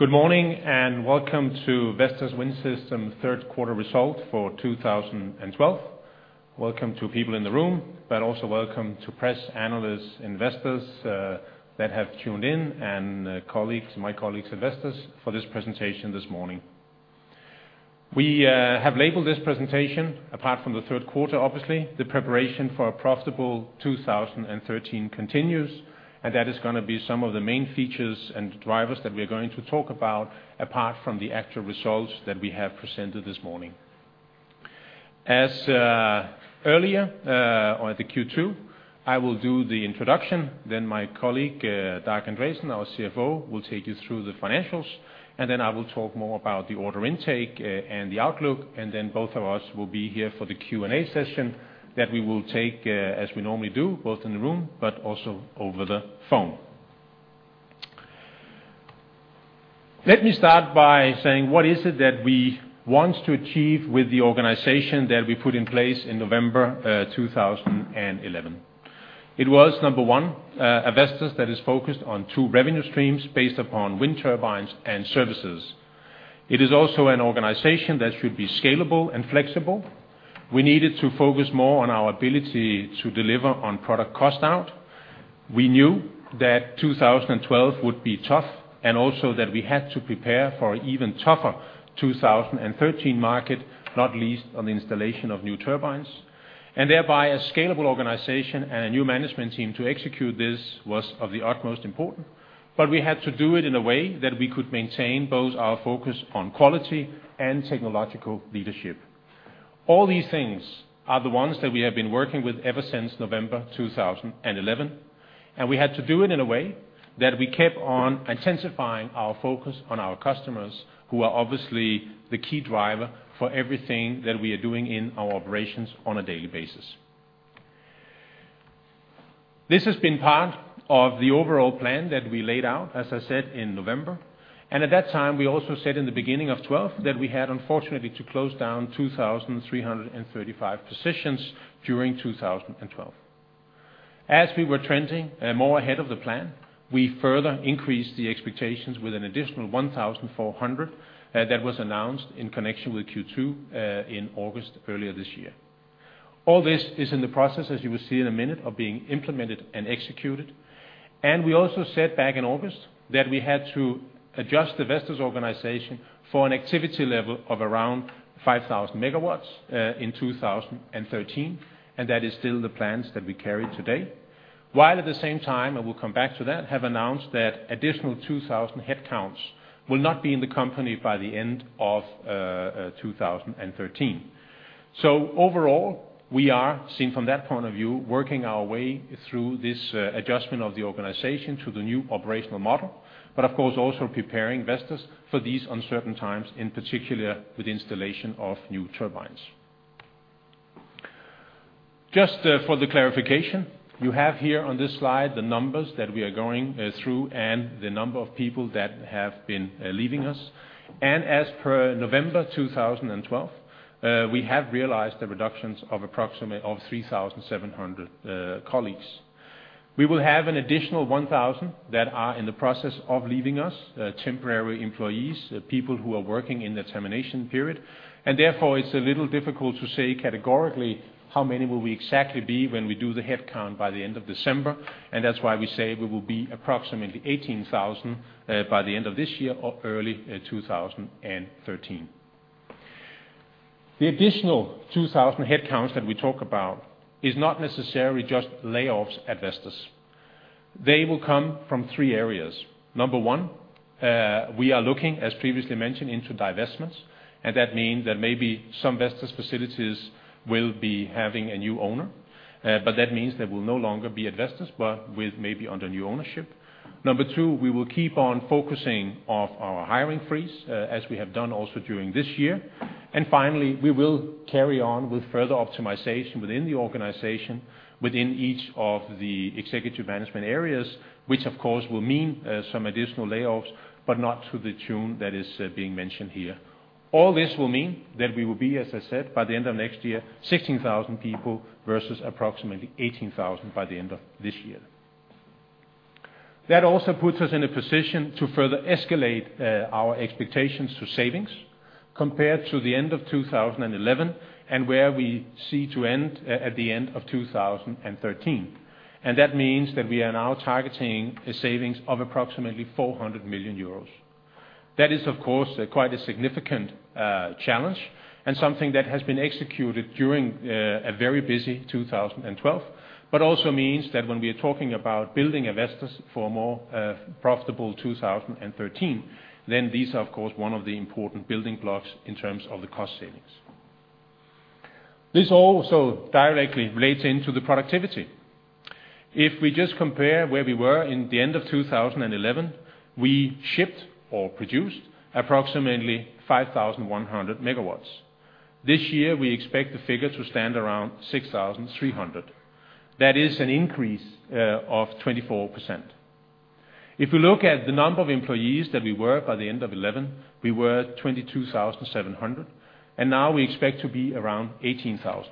Good morning and welcome to Vestas Wind Systems third quarter result for 2012. Welcome to people in the room, but also welcome to press, analysts, investors, that have tuned in, and, colleagues, my colleagues investors, for this presentation this morning. We have labeled this presentation, apart from the third quarter, obviously, "The Preparation for a Profitable 2013 Continues," and that is going to be some of the main features and drivers that we are going to talk about apart from the actual results that we have presented this morning. As earlier, or at the Q2, I will do the introduction, then my colleague, Dag Andresen, our CFO, will take you through the financials, and then I will talk more about the order intake, and the outlook, and then both of us will be here for the Q&A session that we will take, as we normally do, both in the room but also over the phone. Let me start by saying what is it that we want to achieve with the organization that we put in place in November 2011. It was, number one, a Vestas that is focused on two revenue streams based upon wind turbines and services. It is also an organization that should be scalable and flexible. We needed to focus more on our ability to deliver on product cost out. We knew that 2012 would be tough, and also that we had to prepare for an even tougher 2013 market, not least on the installation of new turbines. And thereby, a scalable organization and a new management team to execute this was of the utmost important, but we had to do it in a way that we could maintain both our focus on quality and technological leadership. All these things are the ones that we have been working with ever since November 2011, and we had to do it in a way that we kept on intensifying our focus on our customers, who are obviously the key driver for everything that we are doing in our operations on a daily basis. This has been part of the overall plan that we laid out, as I said, in November, and at that time we also said in the beginning of 2012 that we had, unfortunately, to close down 2,335 positions during 2012. As we were trending, more ahead of the plan, we further increased the expectations with an additional 1,400, that was announced in connection with Q2, in August earlier this year. All this is in the process, as you will see in a minute, of being implemented and executed, and we also said back in August that we had to adjust the Vestas organization for an activity level of around 5,000 MW, in 2013, and that is still the plans that we carry today, while at the same time, and we'll come back to that, have announced that additional 2,000 headcounts will not be in the company by the end of 2013. So overall, we are seen from that point of view working our way through this adjustment of the organization to the new operational model, but of course also preparing Vestas for these uncertain times, in particular with installation of new turbines. Just for the clarification, you have here on this slide the numbers that we are going through and the number of people that have been leaving us. And as per November 2012, we have realized the reductions of approximately 3,700 colleagues. We will have an additional 1,000 that are in the process of leaving us, temporary employees, people who are working in the termination period, and therefore it's a little difficult to say categorically how many will we exactly be when we do the headcount by the end of December, and that's why we say we will be approximately 18,000 by the end of this year or early 2013. The additional 2,000 headcounts that we talk about is not necessarily just layoffs at Vestas. They will come from three areas. Number one, we are looking, as previously mentioned, into divestments, and that means that maybe some Vestas facilities will be having a new owner, but that means they will no longer be at Vestas but with maybe under new ownership. Number two, we will keep on focusing off our hiring freeze, as we have done also during this year. And finally, we will carry on with further optimization within the organization, within each of the executive management areas, which of course will mean some additional layoffs but not to the tune that is being mentioned here. All this will mean that we will be, as I said, by the end of next year, 16,000 people versus approximately 18,000 by the end of this year. That also puts us in a position to further escalate our expectations to savings compared to the end of 2011 and where we see to end at the end of 2013. And that means that we are now targeting savings of approximately 400 million euros. That is, of course, quite a significant challenge and something that has been executed during a very busy 2012, but also means that when we are talking about building a Vestas for a more profitable 2013, then these are, of course, one of the important building blocks in terms of the cost savings. This also directly relates into the productivity. If we just compare where we were in the end of 2011, we shipped or produced approximately 5,100 MW. This year we expect the figure to stand around 6,300 MW. That is an increase of 24%. If we look at the number of employees that we were by the end of 2011, we were 22,700, and now we expect to be around 18,000.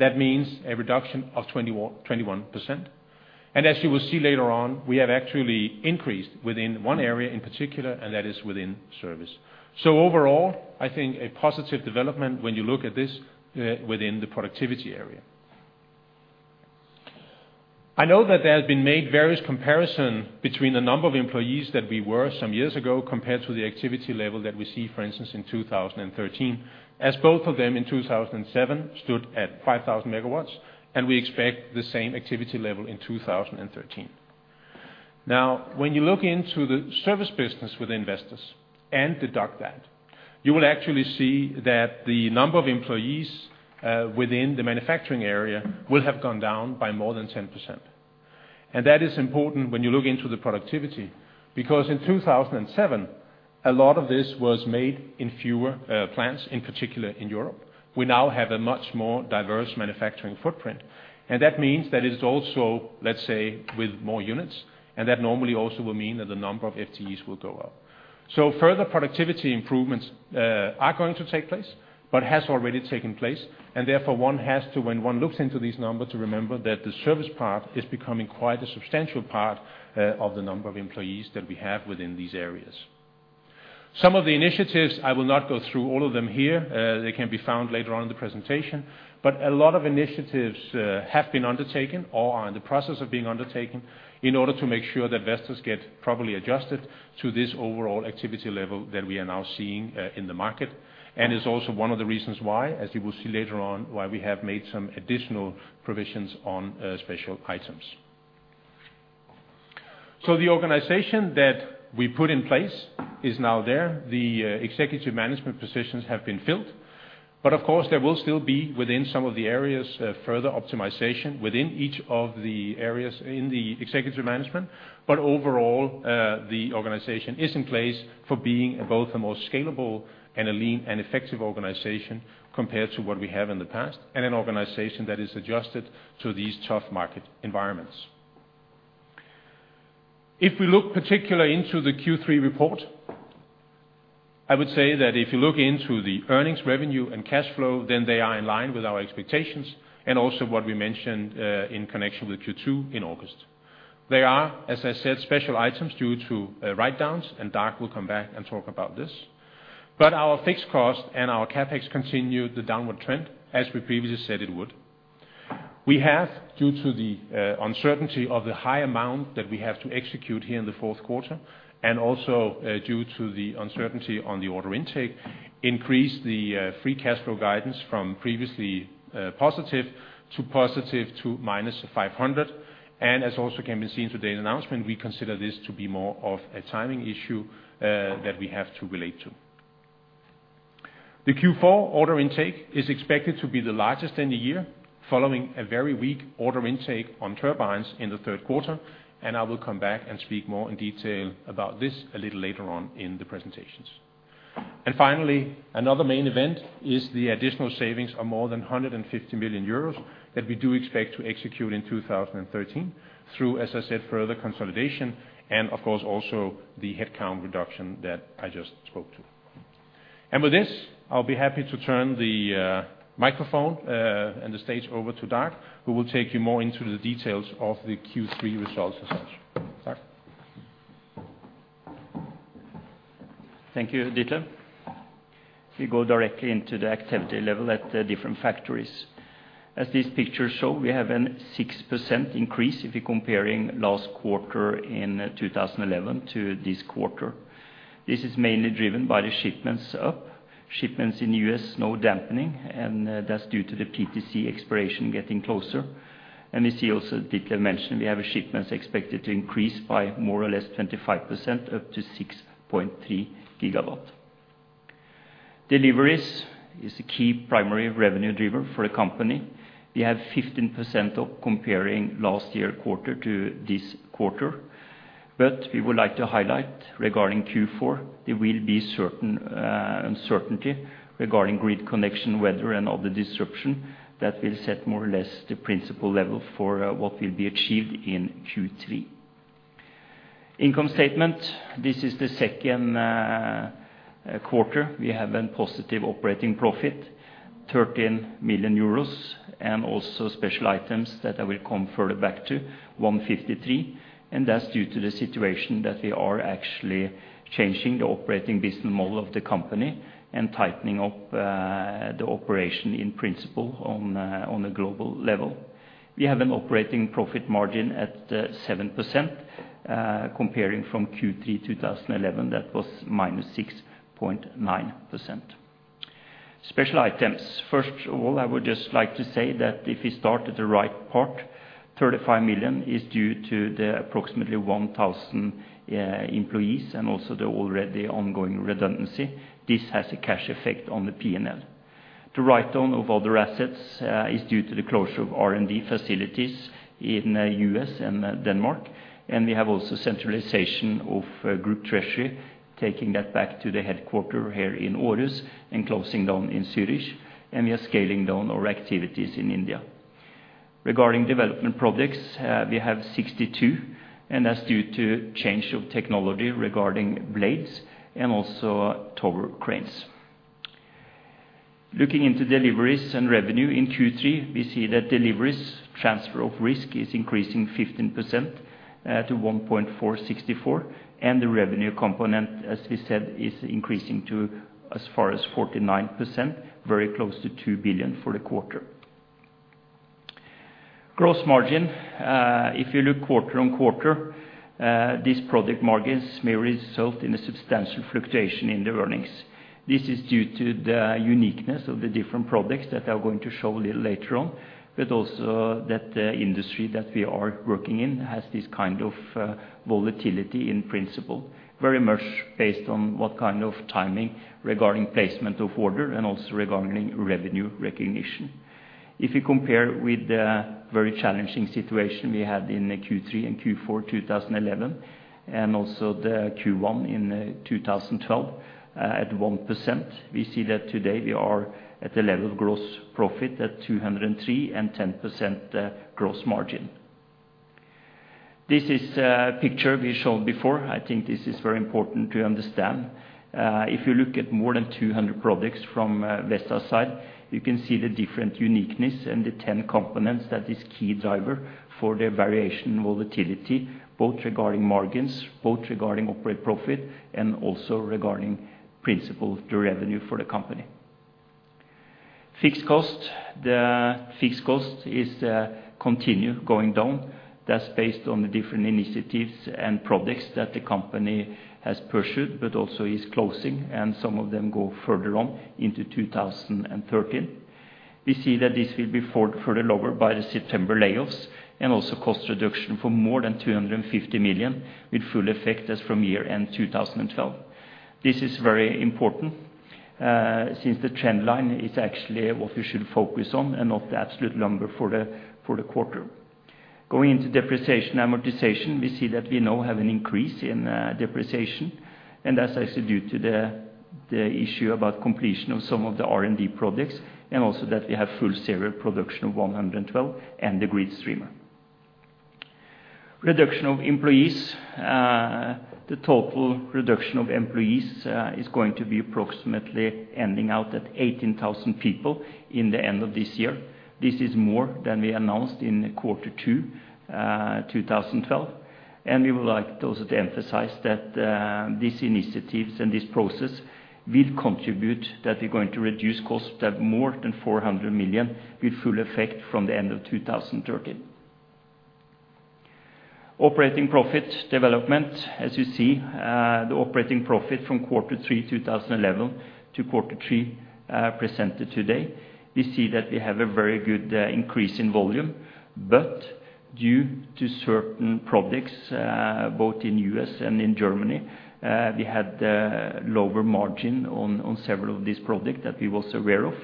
That means a reduction of 21%. As you will see later on, we have actually increased within one area in particular, and that is within service. Overall, I think a positive development when you look at this, within the productivity area. I know that there have been made various comparisons between the number of employees that we were some years ago compared to the activity level that we see, for instance, in 2013, as both of them in 2007 stood at 5,000 MW, and we expect the same activity level in 2013. Now, when you look into the service business within Vestas and deduct that, you will actually see that the number of employees within the manufacturing area will have gone down by more than 10%. That is important when you look into the productivity because in 2007 a lot of this was made in fewer plants, in particular in Europe. We now have a much more diverse manufacturing footprint, and that means that it is also, let's say, with more units, and that normally also will mean that the number of FTEs will go up. So further productivity improvements are going to take place but have already taken place, and therefore one has to, when one looks into these numbers, to remember that the service part is becoming quite a substantial part of the number of employees that we have within these areas. Some of the initiatives I will not go through all of them here. They can be found later on in the presentation, but a lot of initiatives have been undertaken or are in the process of being undertaken in order to make sure that Vestas get properly adjusted to this overall activity level that we are now seeing in the market, and is also one of the reasons why, as you will see later on, why we have made some additional provisions on special items. So the organization that we put in place is now there. Executive management positions have been filled, but of course there will still be, within some of the areas, further optimization within each of the areas in the executive management, but overall, the organization is in place for being both a more scalable and a lean and effective organization compared to what we have in the past, and an organization that is adjusted to these tough market environments. If we look particularly into the Q3 report, I would say that if you look into the earnings, revenue, and cash flow, then they are in line with our expectations and also what we mentioned, in connection with Q2 in August. There are, as I said, special items due to write-downs, and Dag will come back and talk about this, but our fixed cost and our CapEx continue the downward trend, as we previously said it would. We have, due to the uncertainty of the high amount that we have to execute here in the fourth quarter and also due to the uncertainty on the order intake, increased the free cash flow guidance from previously positive to minus 500, and as can also be seen today in the announcement, we consider this to be more of a timing issue that we have to relate to. The Q4 order intake is expected to be the largest in the year, following a very weak order intake on turbines in the third quarter, and I will come back and speak more in detail about this a little later on in the presentations. Finally, another main event is the additional savings of more than 150 million euros that we do expect to execute in 2013 through, as I said, further consolidation and, of course, also the headcount reduction that I just spoke to. With this, I'll be happy to turn the microphone and the stage over to Dag who will take you more into the details of the Q3 results as such. Dag? Thank you, Ditlev. If we go directly into the activity level at the different factories, as this picture shows, we have a 6% increase if we're comparing last quarter in 2011 to this quarter. This is mainly driven by the shipments up. Shipments in the U.S. is now dampening, and that's due to the PTC expiration getting closer. And we see also, as Ditlev mentioned, we have shipments expected to increase by more or less 25%, up to 6.3 GW. Deliveries is a key primary revenue driver for the company. We have 15% up comparing last year quarter to this quarter. But we would like to highlight, regarding Q4, there will be certain uncertainty regarding grid connection weather and other disruption that will set more or less the principal level for what will be achieved in Q3. Income statement: This is the second quarter. We have a positive operating profit, 13 million euros, and also special items that I will come further back to, 153 million, and that's due to the situation that we are actually changing the operating business model of the company and tightening up the operation in principle on a global level. We have an operating profit margin at 7%, comparing from Q3 2011. That was -6.9%. Special items: First of all, I would just like to say that if we start at the right part, 35 million is due to the approximately 1,000 employees and also the already ongoing redundancy. This has a cash effect on the P&L. The write-down of other assets is due to the closure of R&D facilities in the U.S. and Denmark, and we have also centralization of group treasury, taking that back to the headquarters here in Aarhus and closing down in Zurich, and we are scaling down our activities in India. Regarding development projects, we have 62, and that's due to change of technology regarding blades and also tower cranes. Looking into deliveries and revenue in Q3, we see that deliveries transfer of risk is increasing 15%, to 1.464, and the revenue component, as we said, is increasing to as far as 49%, very close to 2 billion for the quarter. Gross margin: if you look quarter-on-quarter, this product margin may result in a substantial fluctuation in the earnings. This is due to the uniqueness of the different products that I'm going to show a little later on, but also that the industry that we are working in has this kind of volatility in principle, very much based on what kind of timing regarding placement of order and also regarding revenue recognition. If we compare with the very challenging situation we had in Q3 and Q4 2011 and also the Q1 in 2012, at 1%, we see that today we are at a level of gross profit at 203 and 10% gross margin. This is a picture we showed before. I think this is very important to understand. If you look at more than 200 products from Vestas' side, you can see the different uniqueness and the 10 components that are key drivers for the variation and volatility, both regarding margins, both regarding operating profit, and also regarding primarily the revenue for the company. Fixed cost: The fixed cost is continuing going down. That's based on the different initiatives and products that the company has pursued but also is closing, and some of them go further on into 2013. We see that this will be further lowered by the September layoffs and also cost reduction for more than 250 million with full effect as from year-end 2012. This is very important, since the trend line is actually what we should focus on and not the absolute number for the quarter. Going into depreciation and amortization, we see that we now have an increase in depreciation, and that's actually due to the issue about completion of some of the R&D projects and also that we have full serial production of 112 and the GridStreamer. Reduction of employees: the total reduction of employees is going to be approximately ending out at 18,000 people in the end of this year. This is more than we announced in quarter two, 2012. And we would like also to emphasize that these initiatives and this process will contribute that we're going to reduce costs by more than 400 million with full effect from the end of 2013. Operating profit development: As you see, the operating profit from quarter three 2011 to quarter three presented today, we see that we have a very good increase in volume. But due to certain products, both in the U.S. and in Germany, we had lower margin on several of these products that we were also aware of.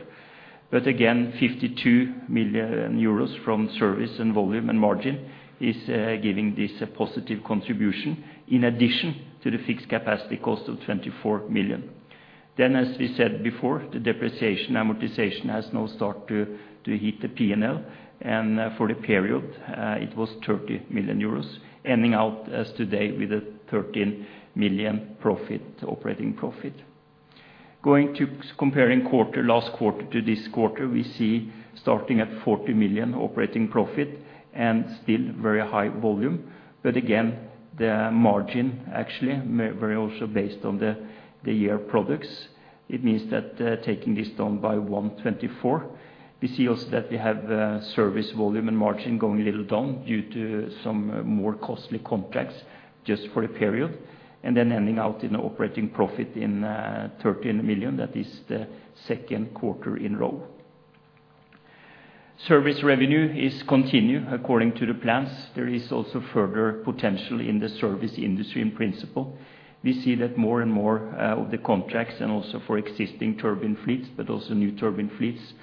But again, 52 million euros from service and volume and margin is giving this a positive contribution in addition to the fixed capacity cost of 24 million. Then, as we said before, the depreciation and amortization has now started to hit the P&L, and for the period, it was 30 million euros, ending out as today with a 13 million profit, operating profit. Going to comparing quarter, last quarter to this quarter, we see starting at 40 million operating profit and still very high volume. But again, the margin, actually, very also based on the year products, it means that taking this down by 124, we see also that we have service volume and margin going a little down due to some more costly contracts just for the period, and then ending out in an operating profit of 13 million. That is the second quarter in a row. Service revenue is continuing according to the plans. There is also further potential in the service industry in principle. We see that more and more of the contracts and also for existing turbine fleets, but also new turbine fleets,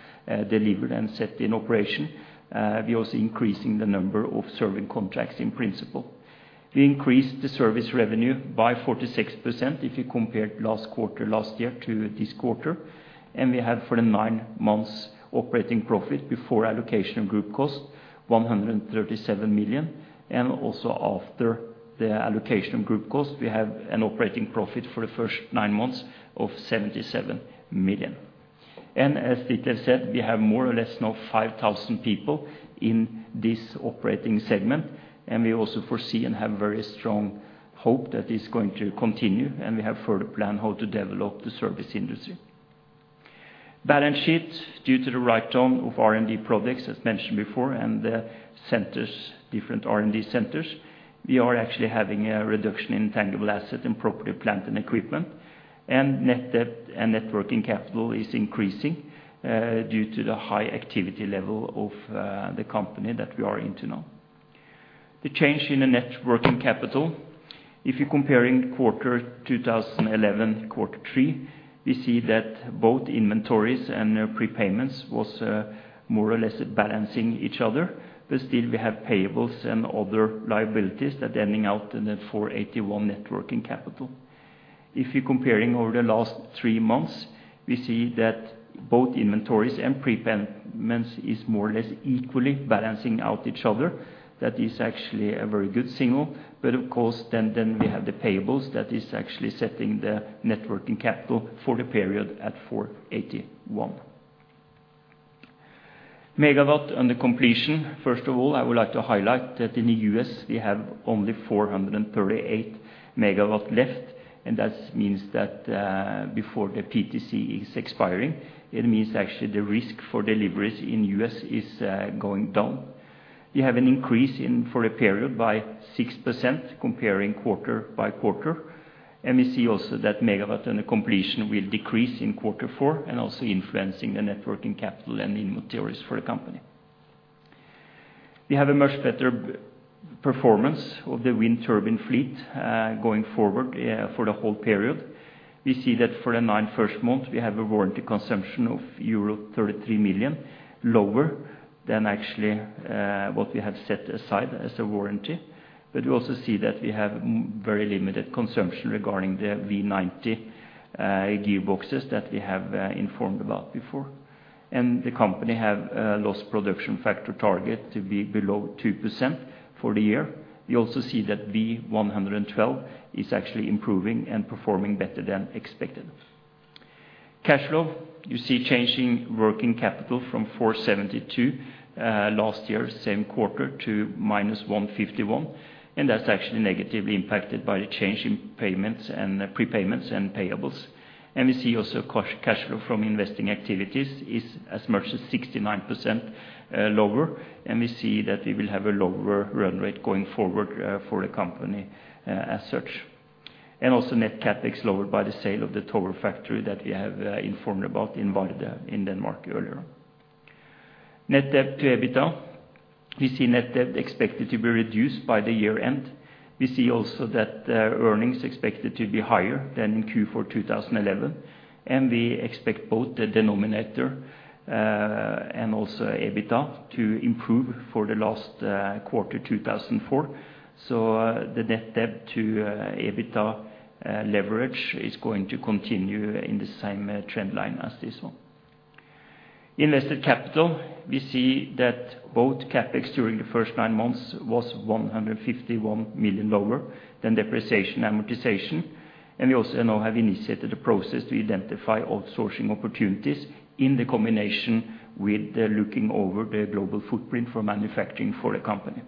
delivered and set in operation, we are also increasing the number of service contracts in principle. We increased the service revenue by 46% if we compared last quarter last year to this quarter, and we had for the nine months operating profit before allocation of group cost 137 million. As Ditlev said, we have more or less now 5,000 people in this operating segment, and we also foresee and have very strong hope that it is going to continue, and we have further plan how to develop the service industry. Balance sheet: Due to the write-down of R&D products, as mentioned before, and the centers, different R&D centers, we are actually having a reduction in tangible asset and property, plant and equipment, and net debt and net working capital is increasing, due to the high activity level of the company that we are into now. The change in Net Working Capital: If you're comparing Q3 2011, we see that both inventories and prepayments were more or less balancing each other, but still we have payables and other liabilities that are ending up in the 481 million net working capital. If you're comparing over the last three months, we see that both inventories and prepayments are more or less equally balancing out each other. That is actually a very good signal. But, of course, then we have the payables. That is actually setting the net working capital for the period at 481 million. Megawatt under completion: First of all, I would like to highlight that in the U.S. we have only 438 MW left, and that means that, before the PTC is expiring, it means actually the risk for deliveries in the U.S. is going down. We have an increase in for a period by 6% comparing quarter-over-quarter, and we see also that MW under completion will decrease in quarter four and also influencing the net working capital and inventories for the company. We have a much better performance of the wind turbine fleet, going forward, for the whole period. We see that for the first nine months, we have a warranty consumption of euro 33 million, lower than actually what we have set aside as a warranty. But we also see that we have very limited consumption regarding the V90 gearboxes that we have informed about before. The company has Lost Production Factor target to be below 2% for the year. We also see that V112 is actually improving and performing better than expected. Cash flow: You see changing working capital from 472 last year same quarter to -151, and that's actually negatively impacted by the change in payments and prepayments and payables. We see also cash flow from investing activities is as much as 69% lower, and we see that we will have a lower run rate going forward for the company as such. Also net CapEx lowered by the sale of the tower factory that we have informed about in Varde in Denmark earlier. Net debt to EBITDA: We see net debt expected to be reduced by the year-end. We see also that earnings expected to be higher than in Q4 2011, and we expect both the denominator, and also EBITDA to improve for the last quarter four. So, the net debt to EBITDA leverage is going to continue in the same trend line as this one. Invested capital: We see that both CapEx during the first nine months was 151 million lower than depreciation and amortization, and we also now have initiated a process to identify outsourcing opportunities in the combination with looking over the global footprint for manufacturing for the company.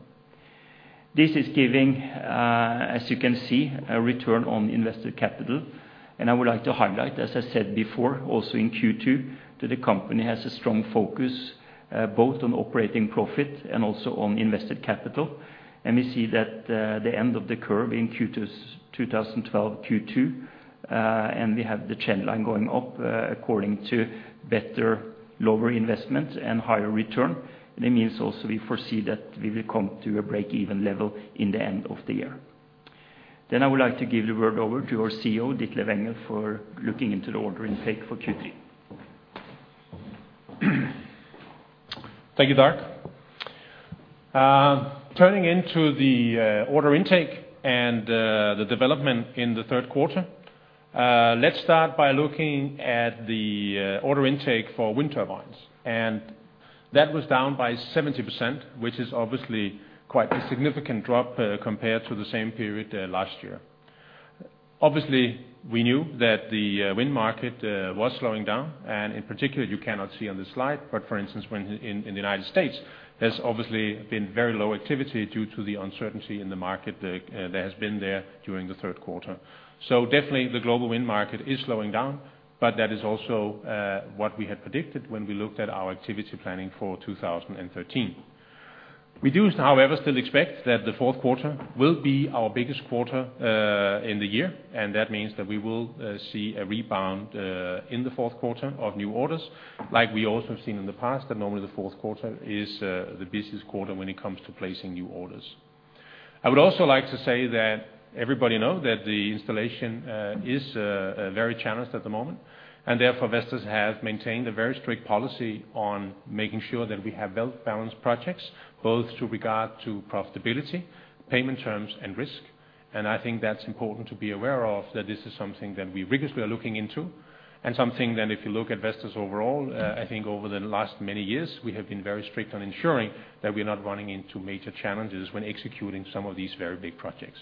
This is giving, as you can see, a return on invested capital. I would like to highlight, as I said before, also in Q2, that the company has a strong focus, both on operating profit and also on invested capital. We see that, the end of the curve in Q2 2012, Q2, and we have the trend line going up, according to better, lower investment and higher return. That means also we foresee that we will come to a break-even level in the end of the year. I would like to give the word over to our CEO, Ditlev Engel, for looking into the order intake for Q3. Thank you, Dag Andresen. Turning to the order intake and the development in the third quarter, let's start by looking at the order intake for wind turbines. That was down by 70%, which is obviously quite a significant drop compared to the same period last year. Obviously, we knew that the wind market was slowing down, and in particular, you cannot see on this slide, but, for instance, when in the United States, there has obviously been very low activity due to the uncertainty in the market that has been there during the third quarter. So, definitely, the global wind market is slowing down, but that is also what we had predicted when we looked at our activity planning for 2013. We do, however, still expect that the fourth quarter will be our biggest quarter in the year, and that means that we will see a rebound in the fourth quarter of new orders, like we also have seen in the past, that normally the fourth quarter is the busiest quarter when it comes to placing new orders. I would also like to say that everybody knows that the installation is very challenged at the moment, and therefore Vestas has maintained a very strict policy on making sure that we have well-balanced projects, both with regard to profitability, payment terms, and risk. I think that's important to be aware of, that this is something that we rigorously are looking into and something that, if you look at Vestas overall, I think over the last many years, we have been very strict on ensuring that we are not running into major challenges when executing some of these very big projects.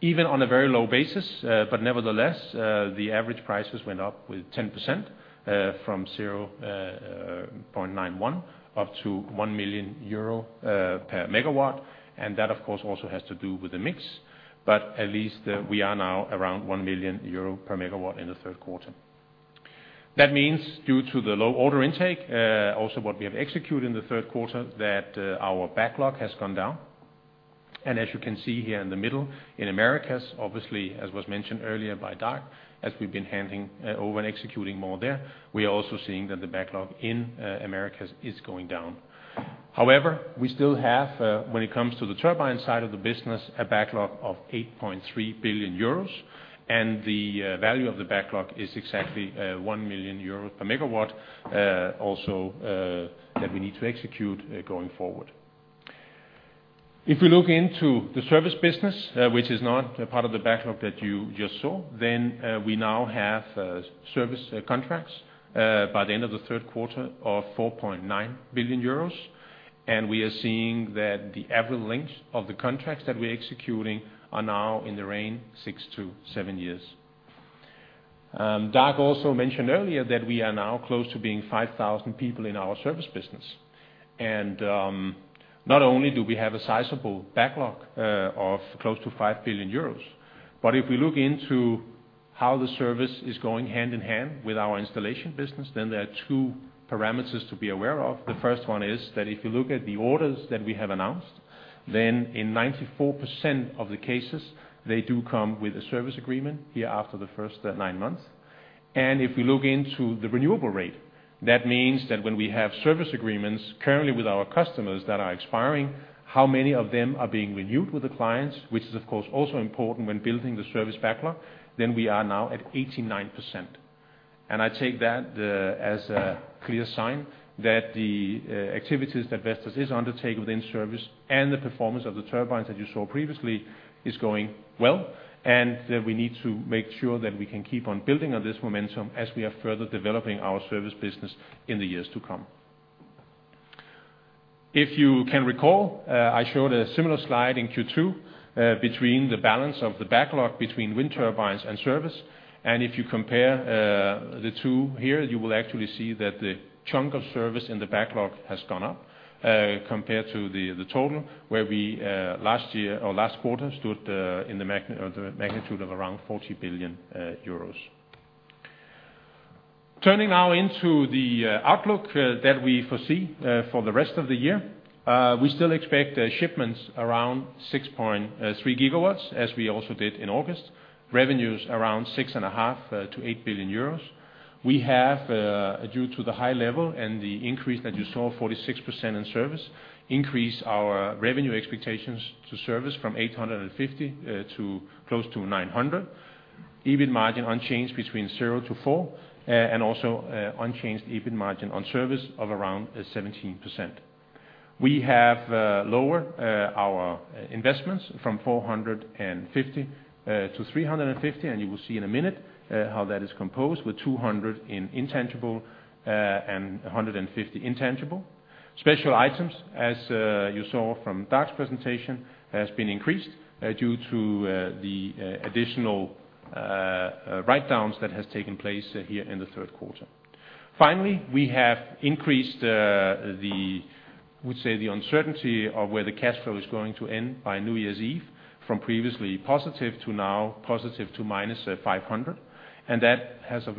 Even on a very low basis, but nevertheless, the average prices went up with 10% from 0.91 million-1 million euro per megawatt, and that, of course, also has to do with the mix, but at least we are now around 1 million euro per megawatt in the third quarter. That means, due to the low order intake, also what we have executed in the third quarter, that our backlog has gone down. And, as you can see here in the middle, in Americas, obviously, as was mentioned earlier by Dag, as we've been handing over and executing more there, we are also seeing that the backlog in Americas is going down. However, we still have, when it comes to the turbine side of the business, a backlog of 8.3 billion euros, and the value of the backlog is exactly 1 million euros per megawatt, also, that we need to execute going forward. If we look into the service business, which is not part of the backlog that you just saw, then we now have service contracts by the end of the third quarter of 4.9 billion euros, and we are seeing that the average length of the contracts that we are executing are now in the range of six to seven years. Dag also mentioned earlier that we are now close to being 5,000 people in our service business. Not only do we have a sizable backlog of close to 5 billion euros, but if we look into how the service is going hand in hand with our installation business, then there are two parameters to be aware of. The first one is that if you look at the orders that we have announced, then in 94% of the cases, they do come with a service agreement here after the first nine months. And if we look into the renewal rate, that means that when we have service agreements currently with our customers that are expiring, how many of them are being renewed with the clients, which is, of course, also important when building the service backlog, then we are now at 89%. I take that as a clear sign that the activities that Vestas is undertaking within service and the performance of the turbines that you saw previously is going well, and that we need to make sure that we can keep on building on this momentum as we are further developing our service business in the years to come. If you can recall, I showed a similar slide in Q2 between the balance of the backlog between wind turbines and service, and if you compare the two here, you will actually see that the chunk of service in the backlog has gone up compared to the total, where we last year or last quarter stood in the magnitude of around 40 billion euros. Turning now into the outlook that we foresee for the rest of the year, we still expect shipments around 6.3 GW, as we also did in August, revenues around 6.5 billion-8 billion euros. We have, due to the high level and the increase that you saw, 46% in service, increased our revenue expectations to service from 850 million to close to 900 million, EBIT margin unchanged between 0%-4%, and also unchanged EBIT margin on service of around 17%. We have lowered our investments from 450 million-350 million, and you will see in a minute how that is composed, with 200 million in intangible and 150 million tangible. Special items, as you saw from Dag's presentation, have been increased due to the additional write-downs that have taken place here in the third quarter. Finally, we have increased the, I would say, the uncertainty of where the cash flow is going to end by New Year's Eve from previously positive to now positive to -500 EUR, and that has, of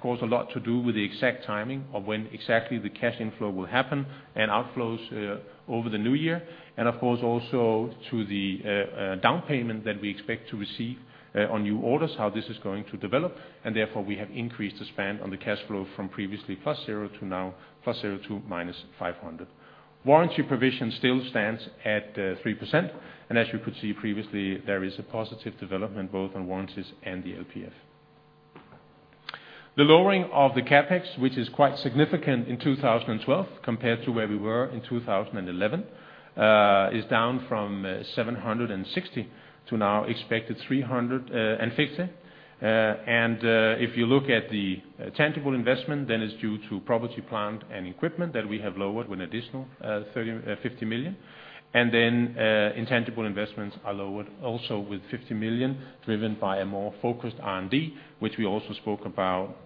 course, a lot to do with the exact timing of when exactly the cash inflow will happen and outflows over the new year, and, of course, also to the down payment that we expect to receive on new orders, how this is going to develop, and therefore we have increased the spend on the cash flow from previously +0 EUR to now +0 EUR to -500 EUR. Warranty provision still stands at 3%, and as you could see previously, there is a positive development both on warranties and the LPF. The lowering of the CapEx, which is quite significant in 2012 compared to where we were in 2011, is down from 760 million to now expected 350 million. If you look at the tangible investment, then it's due to property, plant and equipment that we have lowered with an additional 50 million, and then intangible investments are lowered also with 50 million driven by a more focused R&D, which we also spoke about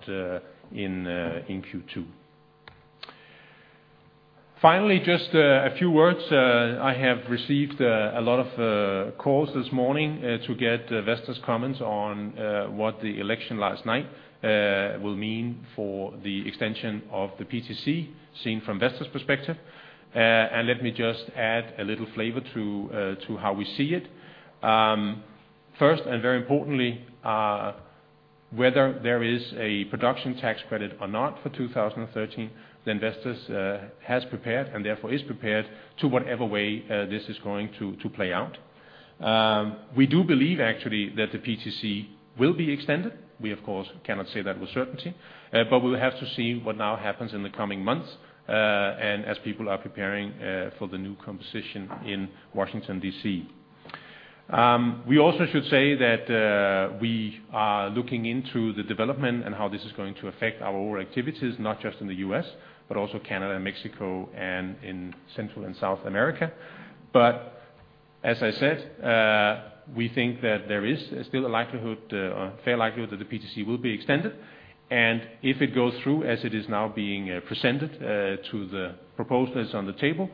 in Q2. Finally, just a few words. I have received a lot of calls this morning to get Vestas' comments on what the election last night will mean for the extension of the PTC, seen from Vestas' perspective. Let me just add a little flavor to how we see it. First and very importantly, whether there is a Production Tax Credit or not for 2013, then Vestas has prepared and therefore is prepared to whatever way this is going to play out. We do believe, actually, that the PTC will be extended. We, of course, cannot say that with certainty, but we will have to see what now happens in the coming months and as people are preparing for the new composition in Washington, D.C. We also should say that we are looking into the development and how this is going to affect our overall activities, not just in the U.S., but also Canada and Mexico and in Central and South America. But, as I said, we think that there is still a likelihood, a fair likelihood, that the PTC will be extended, and if it goes through as it is now being presented to the proposals on the table,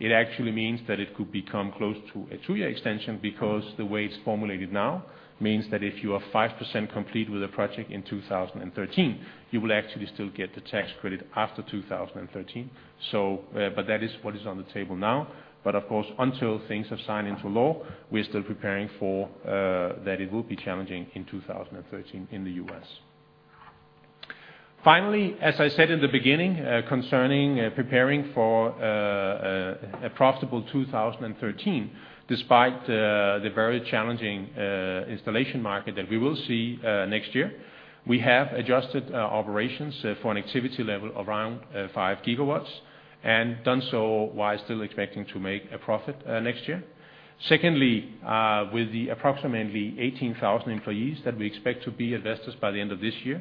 it actually means that it could become close to a two-year extension because the way it's formulated now means that if you are 5% complete with a project in 2013, you will actually still get the tax credit after 2013. So, but that is what is on the table now. But, of course, until things have signed into law, we are still preparing for that it will be challenging in 2013 in the U.S. Finally, as I said in the beginning concerning preparing for a profitable 2013, despite the very challenging installation market that we will see next year, we have adjusted operations for an activity level around 5 GW and done so while still expecting to make a profit next year. Secondly, with the approximately 18,000 employees that we expect to be at Vestas by the end of this year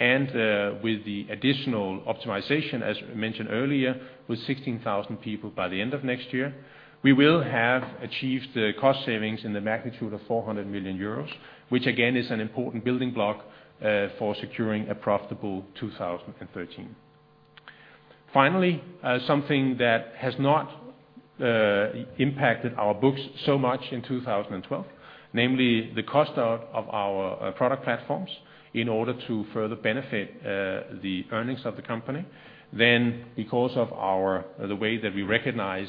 and with the additional optimization, as mentioned earlier, with 16,000 people by the end of next year, we will have achieved cost savings in the magnitude of 400 million euros, which, again, is an important building block for securing a profitable 2013. Finally, something that has not impacted our books so much in 2012, namely the cost out of our product platforms in order to further benefit the earnings of the company, then because of the way that we recognize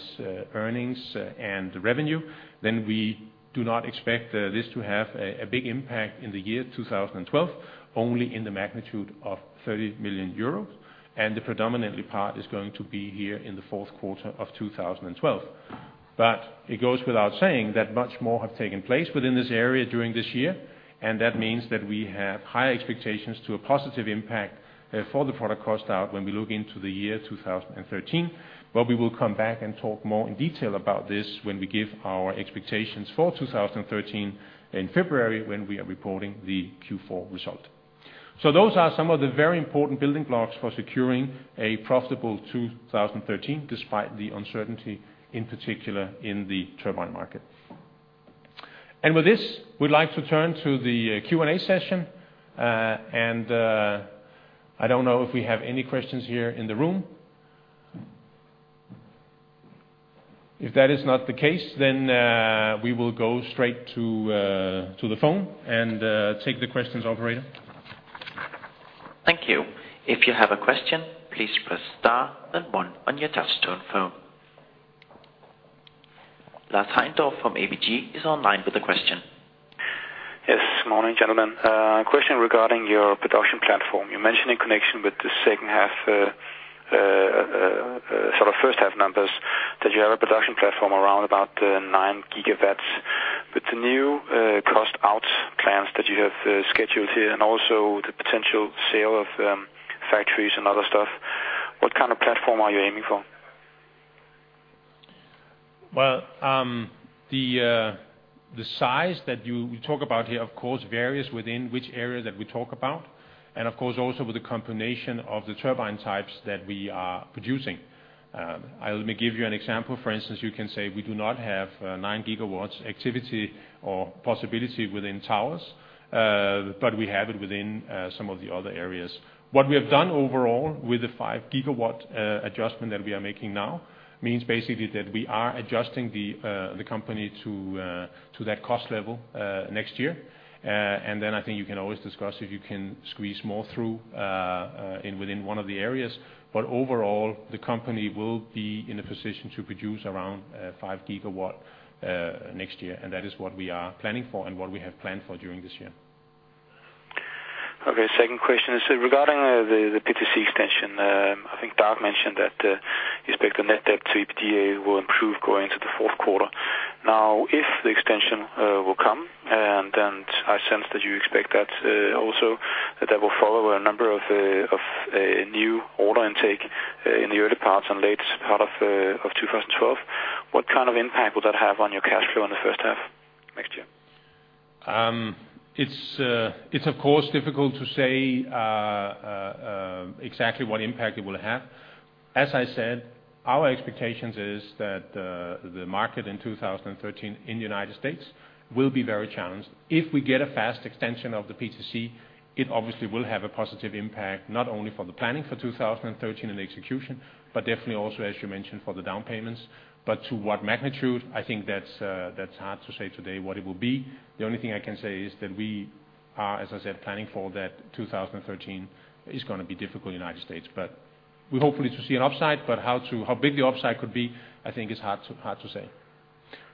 earnings and revenue, then we do not expect this to have a big impact in the year 2012, only in the magnitude of 30 million euros, and the predominant part is going to be here in the fourth quarter of 2012. But it goes without saying that much more have taken place within this area during this year, and that means that we have higher expectations to a positive impact for the product cost out when we look into the year 2013, but we will come back and talk more in detail about this when we give our expectations for 2013 in February when we are reporting the Q4 result. So, those are some of the very important building blocks for securing a profitable 2013, despite the uncertainty, in particular, in the turbine market. And with this, we'd like to turn to the Q&A session, and I don't know if we have any questions here in the room. If that is not the case, then we will go straight to the phone and take the questions, operator. Thank you. If you have a question, please press star and one on your touch-tone phone. Lars Heindorf from ABG is on the line with a question. Yes, morning, gentlemen. A question regarding your production platform. You mentioned in connection with the second half, sort of first half numbers, that you have a production platform around about 9 GW. With the new cost out plans that you have scheduled here and also the potential sale of factories and other stuff, what kind of platform are you aiming for? Well, the size that you talk about here, of course, varies within which area that we talk about and, of course, also with the combination of the turbine types that we are producing. Let me give you an example. For instance, you can say we do not have 9 GW activity or possibility within towers, but we have it within some of the other areas. What we have done overall with the 5 GW adjustment that we are making now means basically that we are adjusting the company to that cost level next year. And then I think you can always discuss if you can squeeze more through within one of the areas, but overall, the company will be in a position to produce around 5 GW next year, and that is what we are planning for and what we have planned for during this year. Okay. Second question is regarding the PTC extension. I think Dag mentioned that he expects the net debt to EBITDA will improve going into the fourth quarter. Now, if the extension will come, and I sense that you expect that also, that there will follow a number of new order intake in the early parts and late part of 2012, what kind of impact will that have on your cash flow in the first half next year? It's, of course, difficult to say exactly what impact it will have. As I said, our expectations is that the market in 2013 in the United States will be very challenged. If we get a fast extension of the PTC, it obviously will have a positive impact not only for the planning for 2013 and the execution, but definitely also, as you mentioned, for the down payments. But to what magnitude, I think that's hard to say today what it will be. The only thing I can say is that we are, as I said, planning for that 2013 is going to be difficult in the United States, but we hopefully to see an upside, but how big the upside could be, I think, is hard to say.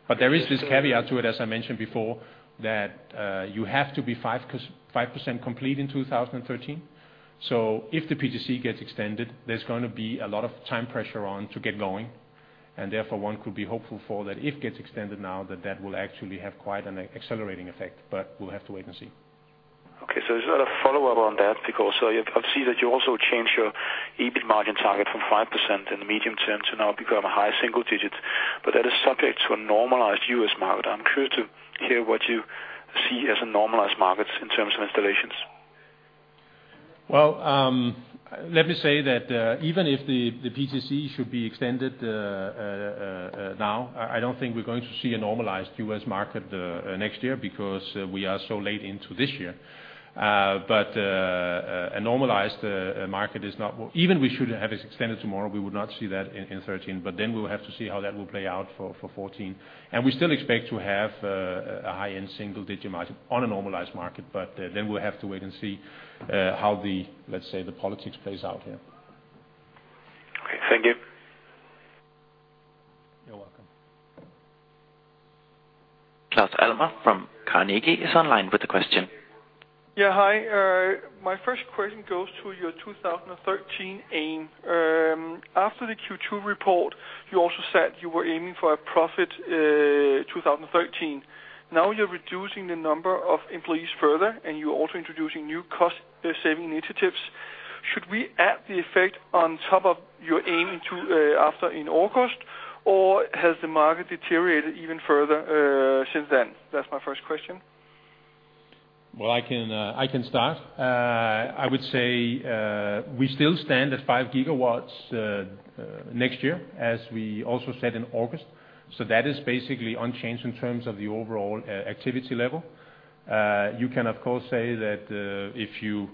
But there is this caveat to it, as I mentioned before, that you have to be 5% complete in 2013. So, if the PTC gets extended, there's going to be a lot of time pressure on to get going, and therefore one could be hopeful for that if it gets extended now, that that will actually have quite an accelerating effect, but we'll have to wait and see. Okay. So, is there a follow-up on that? Because I've seen that you also changed your EBIT margin target from 5% in the medium term to now become a high single digit, but that is subject to a normalized U.S. market. I'm curious to hear what you see as a normalized market in terms of installations. Well, let me say that even if the PTC should be extended now, I don't think we're going to see a normalized U.S. market next year because we are so late into this year. But a normalized market is not even if we should have it extended tomorrow, we would not see that in 2013, but then we'll have to see how that will play out for 2014. And we still expect to have a high-end single-digit market on a normalized market, but then we'll have to wait and see how the, let's say, the politics plays out here. Okay. Thank you. You're welcome. Claus Almer from Carnegie is on the line with a question. Yeah, hi. My first question goes to your 2013 aim. After the Q2 report, you also said you were aiming for a profit 2013. Now you're reducing the number of employees further, and you're also introducing new cost-saving initiatives. Should we add the effect on top of your aim after in August, or has the market deteriorated even further since then? That's my first question. Well, I can start. I would say we still stand at 5 GW next year, as we also said in August, so that is basically unchanged in terms of the overall activity level. You can, of course, say that if you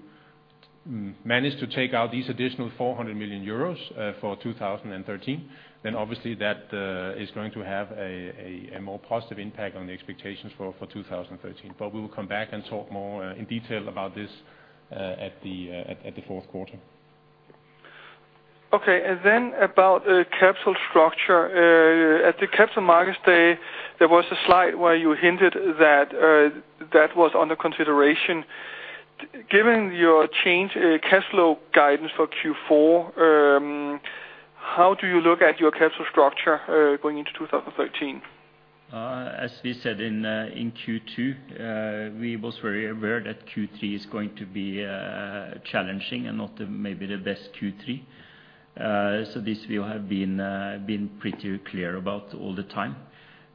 manage to take out these additional 400 million euros for 2013, then obviously that is going to have a more positive impact on the expectations for 2013, but we will come back and talk more in detail about this at the fourth quarter. Okay. And then about capital structure. At the Capital Markets Day, there was a slide where you hinted that that was under consideration. Given your change in cash flow guidance for Q4, how do you look at your capital structure going into 2013? As we said in Q2, we were very aware that Q3 is going to be challenging and not maybe the best Q3, so this we have been pretty clear about all the time.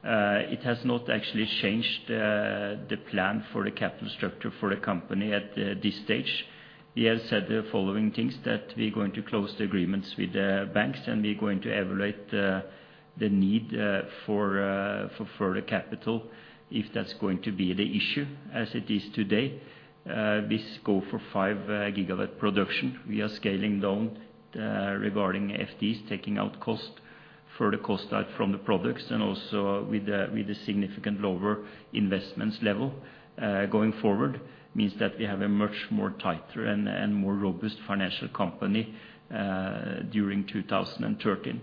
It has not actually changed the plan for the capital structure for the company at this stage. We have said the following things: that we're going to close the agreements with the banks, and we're going to evaluate the need for further capital if that's going to be the issue as it is today. We go for 5 GW production. We are scaling down regarding FDs, taking out cost, further cost out from the products, and also with a significant lower investments level going forward means that we have a much more tighter and more robust financial company during 2013.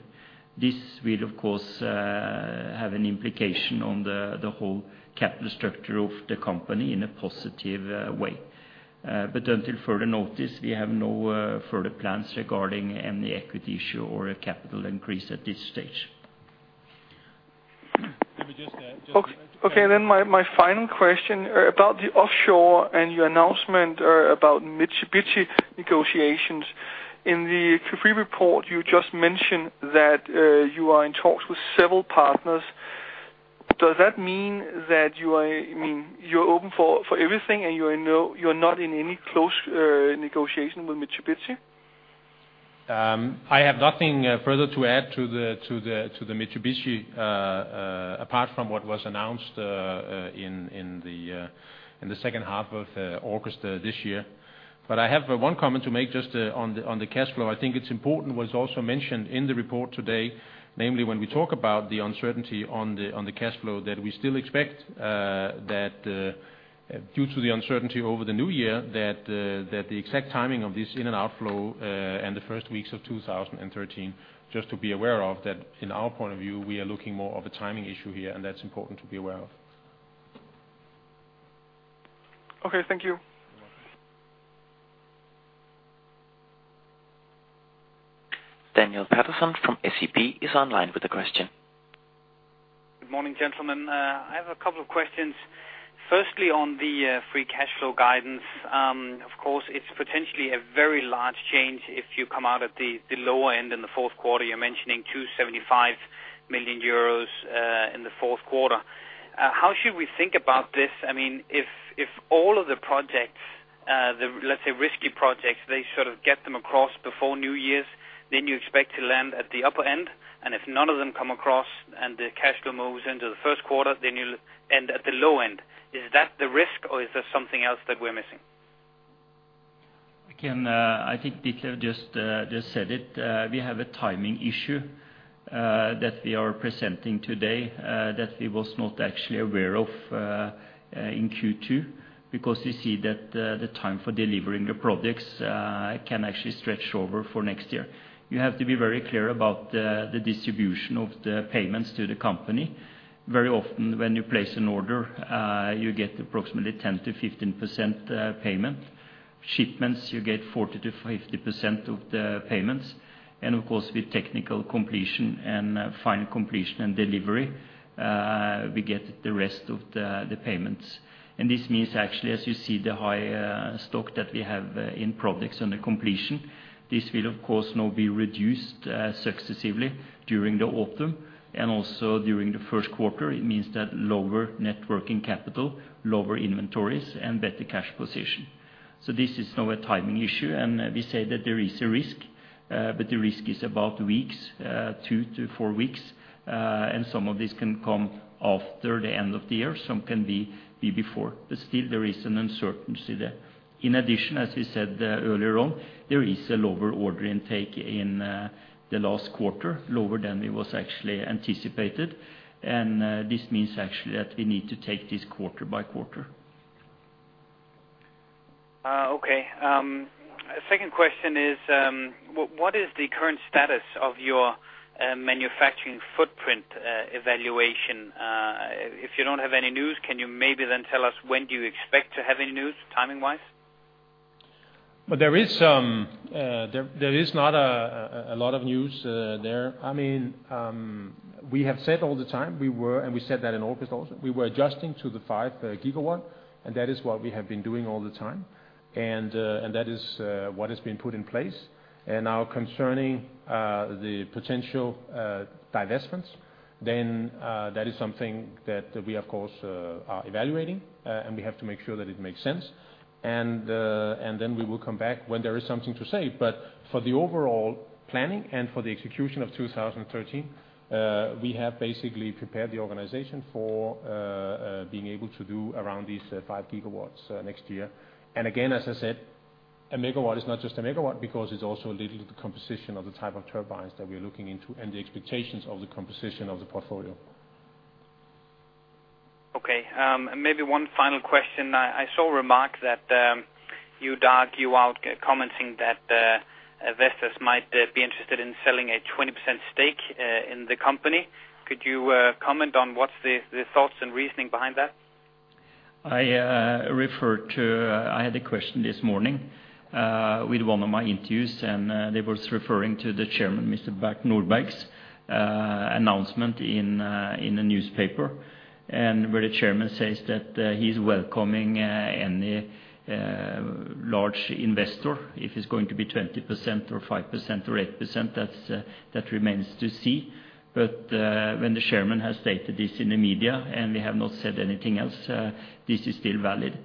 This will, of course, have an implication on the whole capital structure of the company in a positive way. But until further notice, we have no further plans regarding any equity issue or a capital increase at this stage. Okay. Then my final question. About the offshore and your announcement about Mitsubishi negotiations, in the Q3 report, you just mentioned that you are in talks with several partners. Does that mean that you are I mean, you're open for everything, and you're not in any close negotiation with Mitsubishi? I have nothing further to add to the Mitsubishi apart from what was announced in the second half of August this year. But I have one comment to make just on the cash flow. I think it's important what is also mentioned in the report today, namely when we talk about the uncertainty on the cash flow, that we still expect that due to the uncertainty over the new year, that the exact timing of this in-and-out flow and the first weeks of 2013, just to be aware of, that in our point of view, we are looking more of a timing issue here, and that's important to be aware of. Okay. Thank you. You're welcome. Daniel Patterson from SEB is on line with a question. Good morning, gentlemen. I have a couple of questions. Firstly, on the free cash flow guidance. Of course, it's potentially a very large change if you come out at the lower end in the fourth quarter. You're mentioning 275 million euros in the fourth quarter. How should we think about this? I mean, if all of the projects, let's say risky projects, they sort of get them across before New Year's, then you expect to land at the upper end, and if none of them come across and the cash flow moves into the first quarter, then you'll end at the low end. Is that the risk, or is there something else that we're missing? Again, I think Ditlev just said it. We have a timing issue that we are presenting today that we were not actually aware of in Q2 because we see that the time for delivering the products can actually stretch over for next year. You have to be very clear about the distribution of the payments to the company. Very often, when you place an order, you get approximately 10%-15% payment. Shipments, you get 40%-50% of the payments. And, of course, with technical completion and final completion and delivery, we get the rest of the payments. And this means actually, as you see the high stock that we have in products under completion, this will, of course, now be reduced successively during the autumn and also during the first quarter. It means that lower net working capital, lower inventories, and better cash position. So, this is now a timing issue, and we say that there is a risk, but the risk is about weeks, two to four weeks, and some of this can come after the end of the year, some can be before, but still, there is an uncertainty there. In addition, as we said earlier on, there is a lower order intake in the last quarter, lower than we were actually anticipated, and this means actually that we need to take this quarter-by-quarter. Okay. Second question is, what is the current status of your manufacturing footprint evaluation? If you don't have any news, can you maybe then tell us when do you expect to have any news, timing-wise? Well, there is not a lot of news there. I mean, we have said all the time we were, and we said that in August also, we were adjusting to the 5 GW, and that is what we have been doing all the time, and that is what has been put in place. And now, concerning the potential divestments, then that is something that we, of course, are evaluating, and we have to make sure that it makes sense. And then we will come back when there is something to say. But for the overall planning and for the execution of 2013, we have basically prepared the organization for being able to do around these five gigawatts next year. And again, as I said, a megawatt is not just a megawatt because it's also a little the composition of the type of turbines that we're looking into and the expectations of the composition of the portfolio. Okay. And maybe one final question. I saw a remark that you, Dag, you were out commenting that investors might be interested in selling a 20% stake in the company. Could you comment on what's the thoughts and reasoning behind that? I referred to I had a question this morning with one of my interviews, and they were referring to the Chairman, Mr. Bert Nordberg's announcement in a newspaper where the Chairman says that he's welcoming any large investor. If it's going to be 20% or 5% or 8%, that remains to see. But when the Chairman has stated this in the media and we have not said anything else, this is still valid.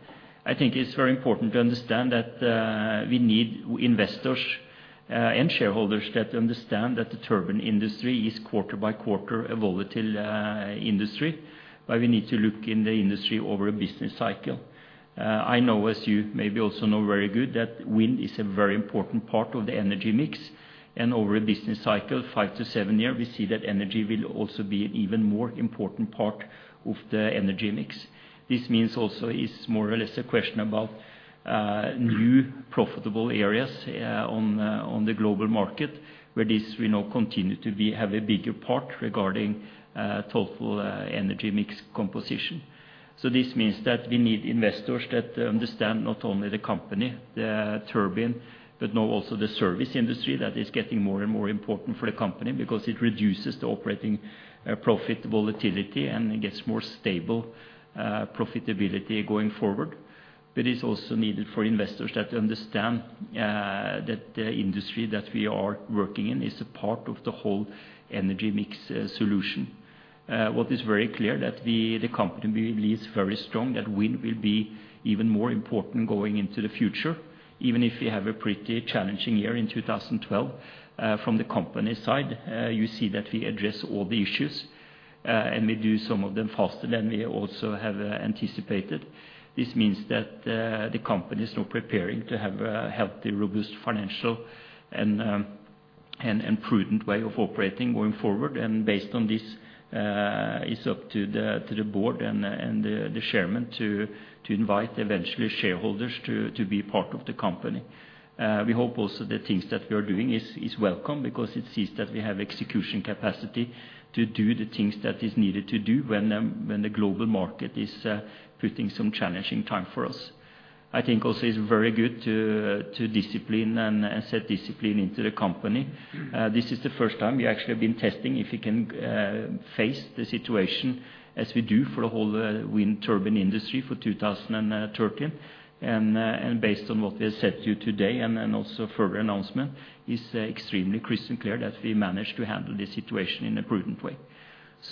I think it's very important to understand that we need investors and shareholders to understand that the turbine industry is quarter by quarter a volatile industry, but we need to look in the industry over a business cycle. I know, as you maybe also know very good, that wind is a very important part of the energy mix, and over a business cycle, five to seven years, we see that energy will also be an even more important part of the energy mix. This means also it's more or less a question about new profitable areas on the global market where this, we know, continues to have a bigger part regarding total energy mix composition. So, this means that we need investors to understand not only the company, the turbine, but now also the service industry that is getting more and more important for the company because it reduces the operating profit volatility and gets more stable profitability going forward. But it's also needed for investors to understand that the industry that we are working in is a part of the whole energy mix solution. What is very clear is that the company will be very strong, that wind will be even more important going into the future, even if we have a pretty challenging year in 2012. From the company side, you see that we address all the issues, and we do some of them faster than we also have anticipated. This means that the company is now preparing to have a healthy, robust financial and prudent way of operating going forward, and based on this, it's up to the board and the Chairman to invite eventually shareholders to be part of the company. We hope also the things that we are doing are welcome because it sees that we have execution capacity to do the things that are needed to do when the global market is putting some challenging time for us. I think also it's very good to discipline and set discipline into the company. This is the first time we actually have been testing if we can face the situation as we do for the whole wind turbine industry for 2013. Based on what we have said to you today and also further announcement, it's extremely crystal clear that we managed to handle this situation in a prudent way.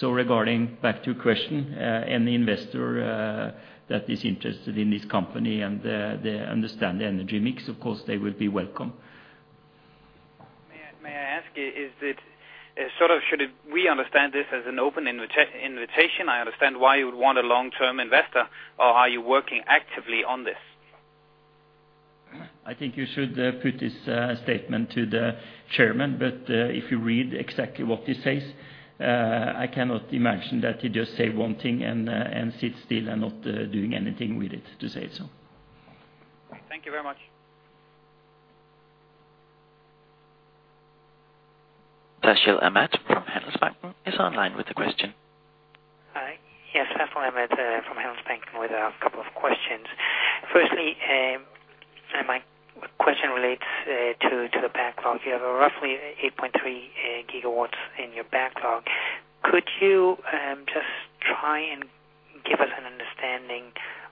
Regarding back to your question, any investor that is interested in this company and understands the energy mix, of course, they will be welcome. May I ask, is it sort of should we understand this as an open invitation? I understand why you would want a long-term investor, or are you working actively on this? I think you should put this statement to the Chairman, but if you read exactly what he says, I cannot imagine that he just says one thing and sits still and not doing anything with it, to say it so. Thank you very much. Haakon Amundsen from Handelsbanken is on the line with a question. Hi. Yes, Haakon Amundsen from Handelsbanken with a couple of questions. Firstly, my question relates to the backlog. You have roughly 8.3 GW in your backlog. Could you just try and give us an understanding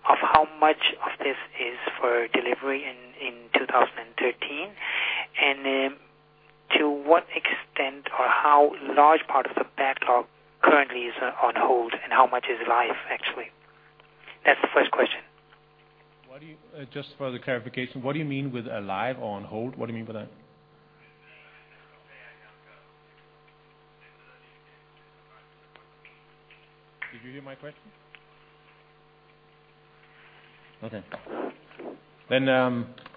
of how much of this is for delivery in 2013, and to what extent or how large part of the backlog currently is on hold, and how much is alive, actually? That's the first question. Just for the clarification, what do you mean with alive or on hold? What do you mean by that? Did you hear my question? Okay. Then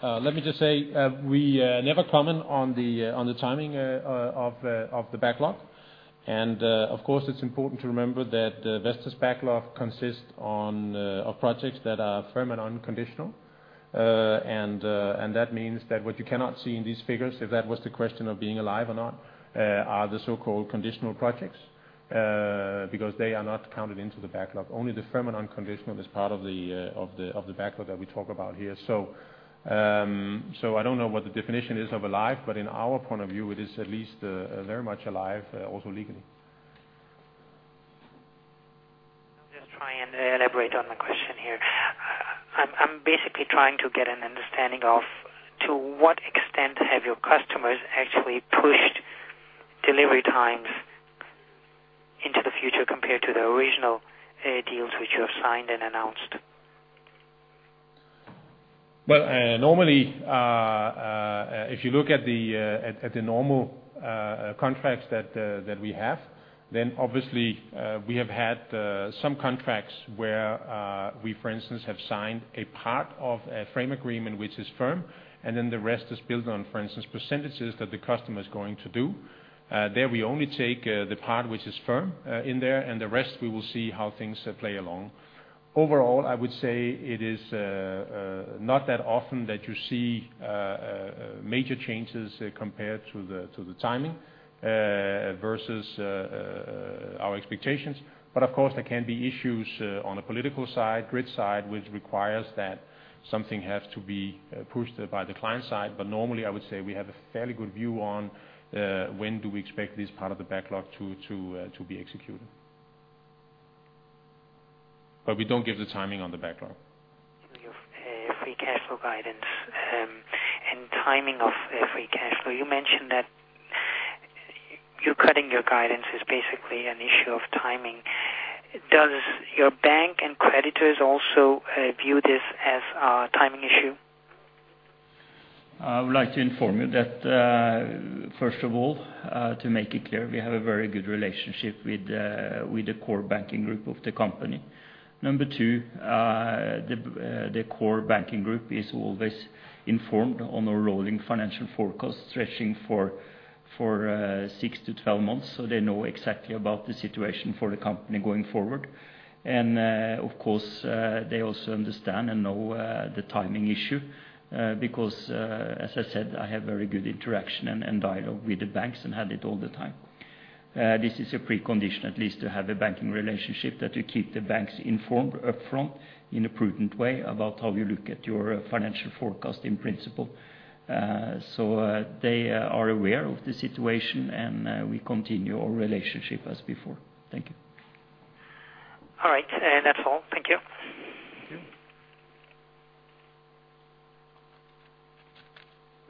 let me just say we never comment on the timing of the backlog. Of course, it's important to remember that Vestas' backlog consists of projects that are firm and unconditional, and that means that what you cannot see in these figures, if that was the question of being alive or not, are the so-called conditional projects because they are not counted into the backlog. Only the firm and unconditional is part of the backlog that we talk about here. So, I don't know what the definition is of alive, but in our point of view, it is at least very much alive, also legally. I'll just try and elaborate on the question here. I'm basically trying to get an understanding of to what extent have your customers actually pushed delivery times into the future compared to the original deals which you have signed and announced? Well, normally, if you look at the normal contracts that we have, then obviously, we have had some contracts where we, for instance, have signed a part of a frame agreement which is firm, and then the rest is built on, for instance, percentages that the customer is going to do. There, we only take the part which is firm in there, and the rest, we will see how things play along. Overall, I would say it is not that often that you see major changes compared to the timing versus our expectations. But, of course, there can be issues on the political side, grid side, which requires that something has to be pushed by the client side. But normally, I would say we have a fairly good view on when do we expect this part of the backlog to be executed. But we don't give the timing on the backlog. Your free cash flow guidance and timing of free cash flow. You mentioned that you're cutting your guidance. It's basically an issue of timing. Does your bank and creditors also view this as a timing issue? I would like to inform you that, first of all, to make it clear, we have a very good relationship with the core banking group of the company. Number two, the core banking group is always informed on our rolling financial forecast stretching for six-12 months, so they know exactly about the situation for the company going forward. And, of course, they also understand and know the timing issue because, as I said, I have very good interaction and dialogue with the banks and had it all the time. This is a precondition, at least, to have a banking relationship, that you keep the banks informed upfront in a prudent way about how you look at your financial forecast in principle. So, they are aware of the situation, and we continue our relationship as before. Thank you. All right. That's all. Thank you. Thank you.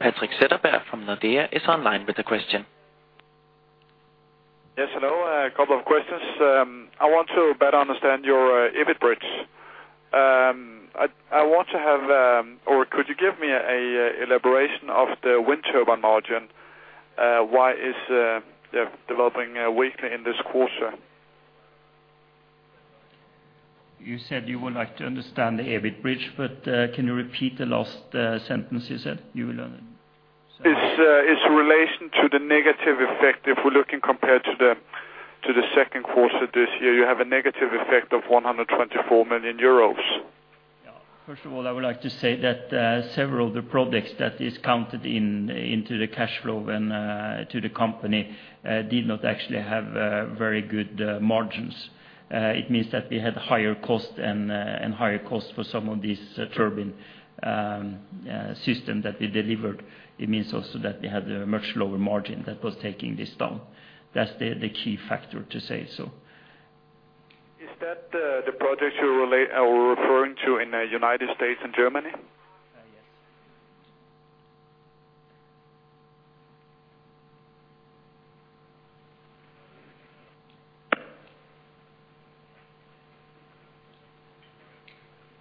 Patrik Setterberg from Nordea is on line with a question. Yes, hello. A couple of questions. I want to better understand your EBIT bridge. I want to have or could you give me an elaboration of the wind turbine margin? Why is it developing weakly in this quarter? You said you would like to understand the EBIT bridge, but can you repeat the last sentence you said? You will. It's in relation to the negative effect. If we're looking compared to the second quarter this year, you have a negative effect of 124 million euros. Yeah. First of all, I would like to say that several of the products that are counted into the cash flow to the company did not actually have very good margins. It means that we had higher costs and higher costs for some of these turbine systems that we delivered. It means also that we had a much lower margin that was taking this down. That's the key factor, to say it so. Is that the projects you're referring to in the United States and Germany? Yes.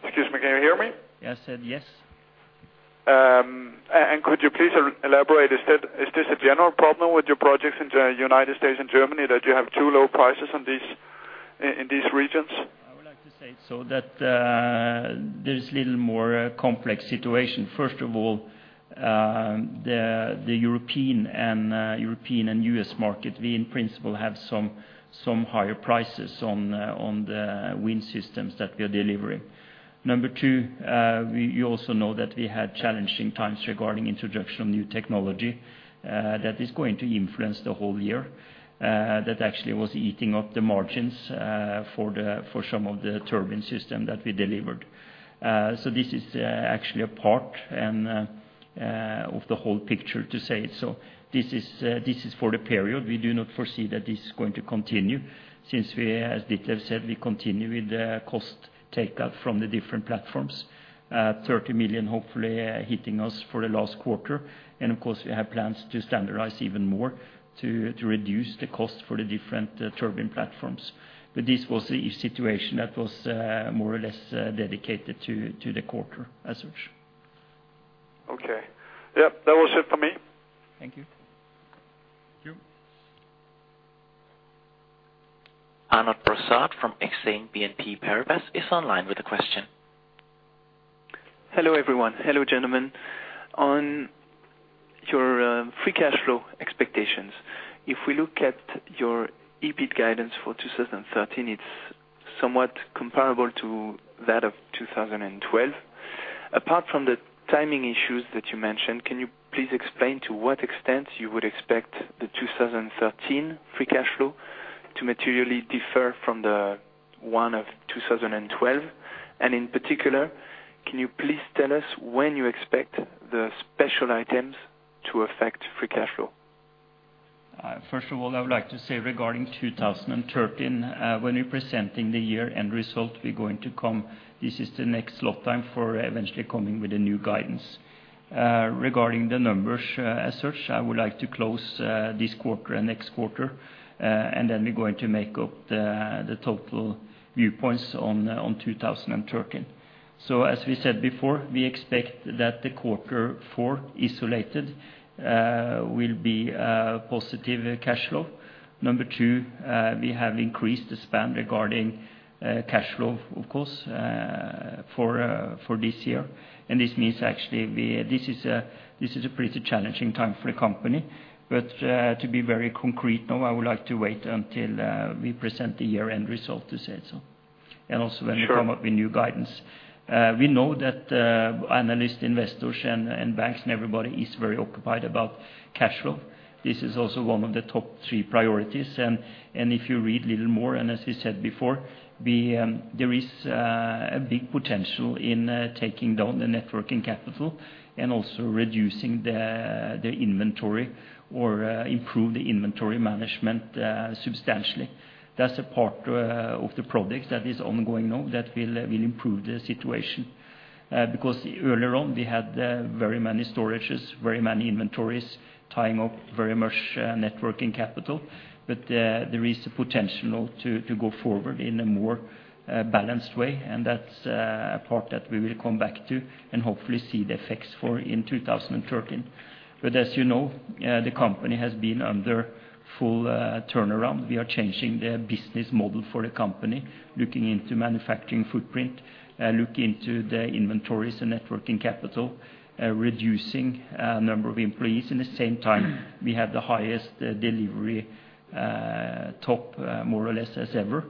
Excuse me. Can you hear me? Yeah. I said yes. And could you please elaborate? Is this a general problem with your projects in the United States and Germany, that you have too low prices in these regions? I would like to say it so, that there's a little more complex situation. First of all, the European and U.S. market, we in principle have some higher prices on the wind systems that we are delivering. Number two, you also know that we had challenging times regarding introduction of new technology that is going to influence the whole year, that actually was eating up the margins for some of the turbine systems that we delivered. So, this is actually a part of the whole picture, to say it so. This is for the period. We do not foresee that this is going to continue. Since we, as Ditlev said, we continue with the cost takeout from the different platforms, 30 million hopefully hitting us for the last quarter. And, of course, we have plans to standardize even more to reduce the cost for the different turbine platforms. But this was a situation that was more or less dedicated to the quarter as such. Okay. Yep. That was it from me. Thank you. Thank you. Arnaud Brossard from Exane BNP Paribas is on line with a question. Hello, everyone. Hello, gentlemen. On your free cash flow expectations, if we look at your EBIT guidance for 2013, it's somewhat comparable to that of 2012. Apart from the timing issues that you mentioned, can you please explain to what extent you would expect the 2013 free cash flow to materially differ from the one of 2012? And, in particular, can you please tell us when you expect the special items to affect free cash flow? First of all, I would like to say regarding 2013, when we're presenting the year-end result, we're going to come this is the next slot time for eventually coming with a new guidance. Regarding the numbers as such, I would like to close this quarter and next quarter, and then we're going to make up the total viewpoints on 2013. So, as we said before, we expect that the quarter four, isolated, will be positive cash flow. Number two, we have increased the spend regarding cash flow, of course, for this year. And this means, actually, this is a pretty challenging time for the company. But to be very concrete now, I would like to wait until we present the year-end result, to say it so, and also when we come up with new guidance. We know that analysts, investors, and banks, and everybody is very occupied about cash flow. This is also one of the top three priorities. And if you read a little more, and as we said before, there is a big potential in taking down the net working capital and also reducing the inventory or improving the inventory management substantially. That's a part of the projects that is ongoing now that will improve the situation because earlier on, we had very many storages, very many inventories tying up very much net working capital. But there is a potential now to go forward in a more balanced way, and that's a part that we will come back to and hopefully see the effects for in 2013. But, as you know, the company has been under full turnaround. We are changing the business model for the company, looking into manufacturing footprint, looking into the inventories and net working capital, reducing the number of employees. In the same time, we have the highest delivery top, more or less, as ever.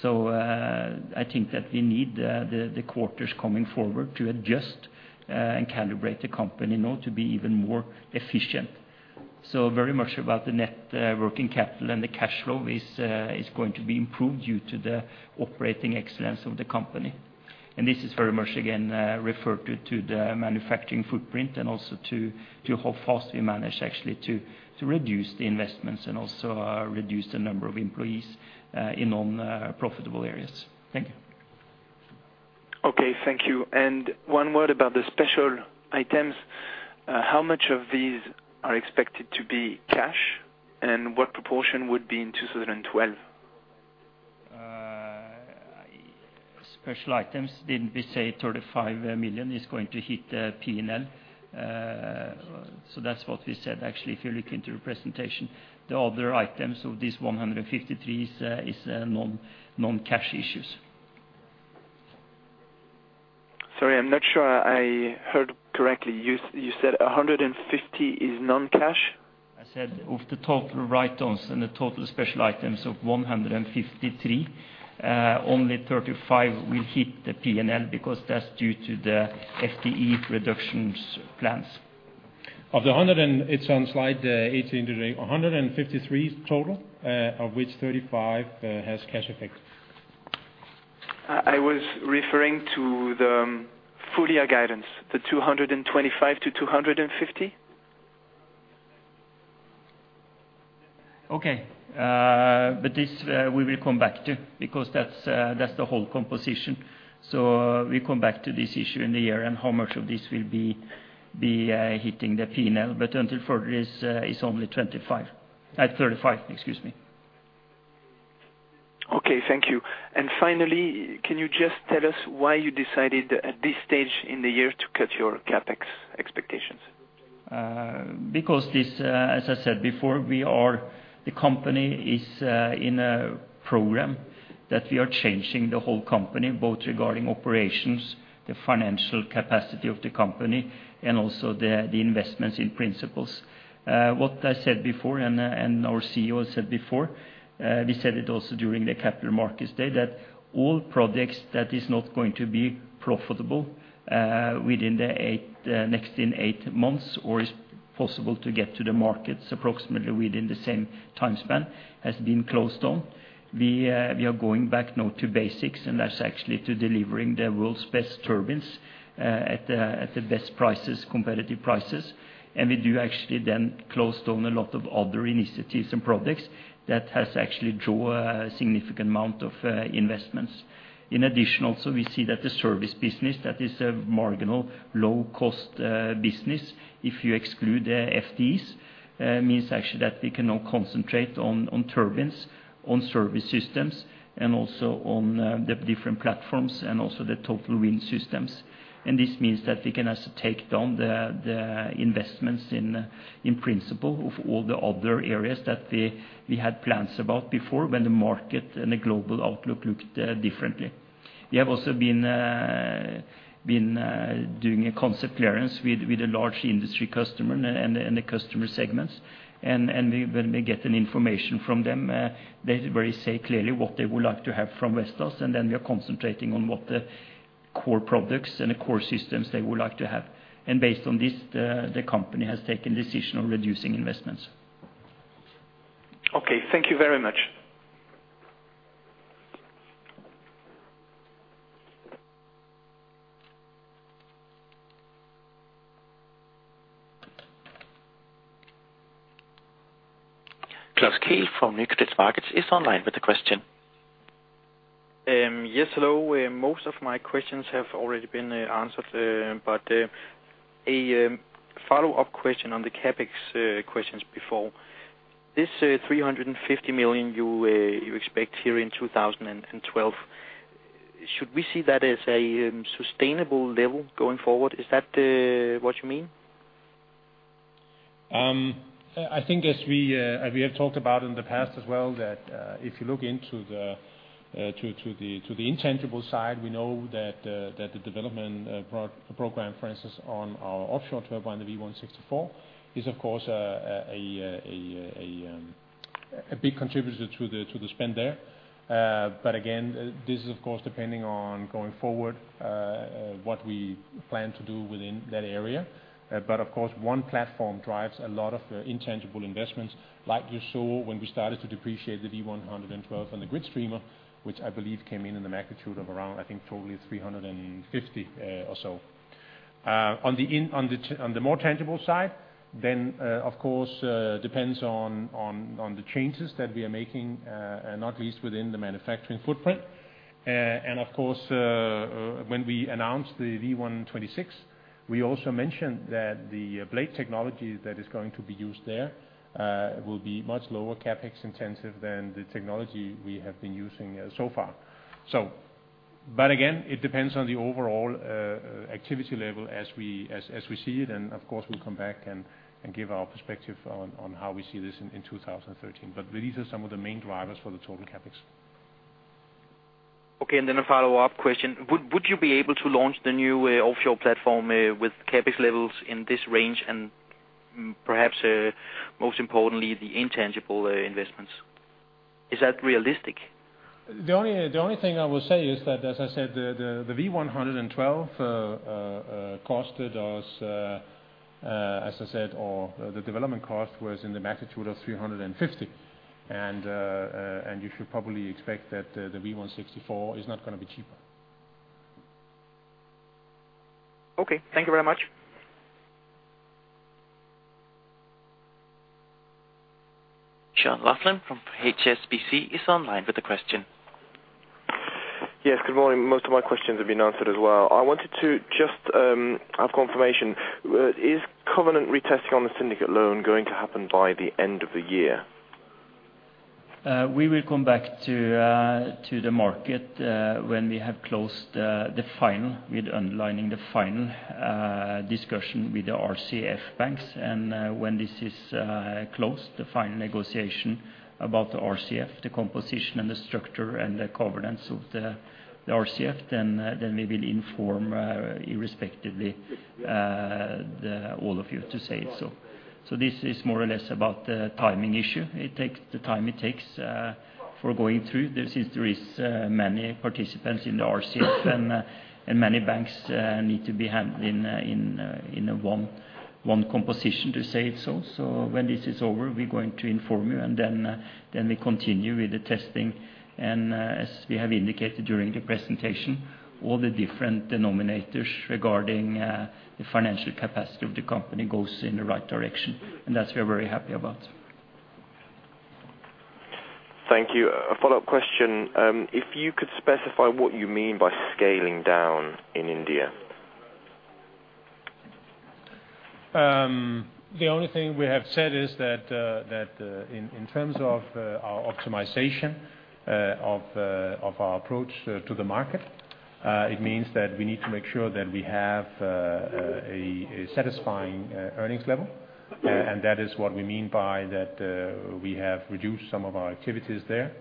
So, I think that we need the quarters coming forward to adjust and calibrate the company now to be even more efficient. So, very much about the net working capital and the cash flow is going to be improved due to the operating excellence of the company. And this is very much, again, referred to the manufacturing footprint and also to how fast we manage, actually, to reduce the investments and also reduce the number of employees in nonprofitable areas. Thank you. Okay. Thank you. And one word about the special items. How much of these are expected to be cash, and what proportion would be in 2012? Special items didn't we say 35 million is going to hit P&L? So, that's what we said, actually, if you look into the presentation. The other items of these 153 million is noncash issues. Sorry. I'm not sure I heard correctly. You said 150 is noncash? I said of the total write-downs and the total special items of 153, only 35 will hit the P&L because that's due to the FTE reductions plans. Of the 118, 153 total, of which 35 has cash effect? I was referring to the full year guidance, the EUR 225-250? Okay. But this we will come back to because that's the whole composition. So, we come back to this issue in the year and how much of this will be hitting the P&L. But until further, it's only 25 at 35, excuse me. Okay. Thank you. And finally, can you just tell us why you decided at this stage in the year to cut your CapEx expectations? Because this, as I said before, we are the company is in a program that we are changing the whole company, both regarding operations, the financial capacity of the company, and also the investments in principles. What I said before and our CEO has said before, we said it also during the Capital Markets Day, that all projects that are not going to be profitable within the next eight months or is possible to get to the markets approximately within the same time span has been closed down. We are going back now to basics, and that's actually to delivering the world's best turbines at the best prices, competitive prices. And we do actually then close down a lot of other initiatives and projects that has actually drawn a significant amount of investments. In addition, also, we see that the service business, that is a marginal, low-cost business if you exclude the FTEs, means actually that we can now concentrate on turbines, on service systems, and also on the different platforms and also the total wind systems. And this means that we can also take down the investments in principle of all the other areas that we had plans about before when the market and the global outlook looked differently. We have also been doing a concept clearance with a large industry customer and the customer segments. And when we get information from them, they very clearly say what they would like to have from Vestas, and then we are concentrating on what the core products and the core systems they would like to have. And based on this, the company has taken a decision on reducing investments. Okay. Thank you very much. Klaus Kehl from Nykredit Markets is on the line with a question. Yes. Hello. Most of my questions have already been answered. But a follow-up question on the CapEx questions before. This 350 million you expect here in 2012, should we see that as a sustainable level going forward? Is that what you mean? I think, as we have talked about in the past as well, that if you look into the intangible side, we know that the development program, for instance, on our offshore turbine, the V164, is, of course, a big contributor to the spend there. But, again, this is, of course, depending on going forward what we plan to do within that area. But, of course, one platform drives a lot of intangible investments, like you saw when we started to depreciate the V112 and the GridStreamer, which I believe came in in the magnitude of around, I think, totally 350 or so. On the more tangible side, then, of course, it depends on the changes that we are making, not least within the manufacturing footprint. And, of course, when we announced the V126, we also mentioned that the blade technology that is going to be used there will be much lower CapEx intensive than the technology we have been using so far. But, again, it depends on the overall activity level as we see it. And, of course, we'll come back and give our perspective on how we see this in 2013. But these are some of the main drivers for the total CapEx. Okay. And then a follow-up question. Would you be able to launch the new offshore platform with CapEx levels in this range and, perhaps most importantly, the intangible investments? Is that realistic? The only thing I will say is that, as I said, the V112 costed us, as I said, or the development cost was in the magnitude of 350 million. And you should probably expect that the V164 is not going to be cheaper. Okay. Thank you very much. Sean McLoughlin from HSBC is on the line with a question. Yes. Good morning. Most of my questions have been answered as well. I wanted to just have confirmation. Is covenant retesting on the syndicate loan going to happen by the end of the year? We will come back to the market when we have closed the final, with underlining the final discussion with the RCF banks. When this is closed, the final negotiation about the RCF, the composition and the structure and the covenants of the RCF, then we will inform irrespective all of you, to say it so. So, this is more or less about the timing issue. It takes the time it takes for going through since there are many participants in the RCF and many banks need to be handled in one composition, to say it so. So, when this is over, we're going to inform you, and then we continue with the testing. As we have indicated during the presentation, all the different denominators regarding the financial capacity of the company go in the right direction, and that's what we're very happy about. Thank you. A follow-up question. If you could specify what you mean by scaling down in India? The only thing we have said is that, in terms of our optimization of our approach to the market, it means that we need to make sure that we have a satisfying earnings level. And that is what we mean by that we have reduced some of our activities there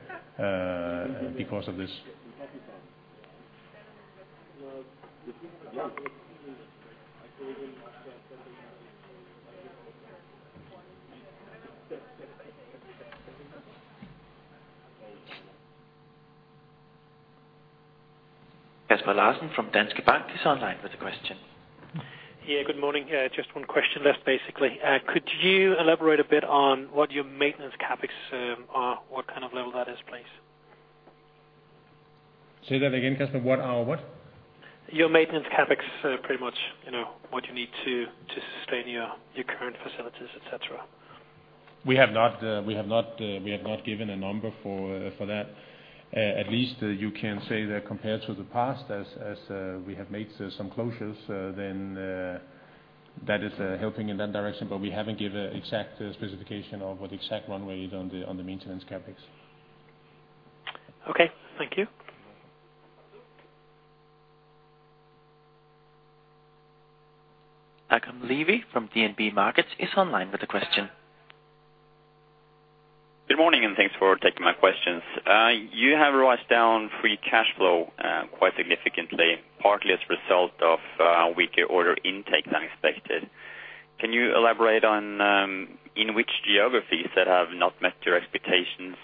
because of this. Casper Blom from Danske Bank is on line with a question. Yeah. Good morning. Just one question left, basically. Could you elaborate a bit on what your maintenance CapEx are, what kind of level that is, please? Say that again, Casper. What are what? Your maintenance CapEx, pretty much, what you need to sustain your current facilities, etc. We have not given a number for that. At least you can say that compared to the past, as we have made some closures, then that is helping in that direction. But we haven't given an exact specification of what exact runway is on the maintenance CapEx. Okay. Thank you. Håkon Levy from DNB Markets is on line with a question. Good morning, and thanks for taking my questions. You have revised down Free Cash Flow quite significantly, partly as a result of weaker order intake than expected. Can you elaborate on in which geographies that have not met your expectations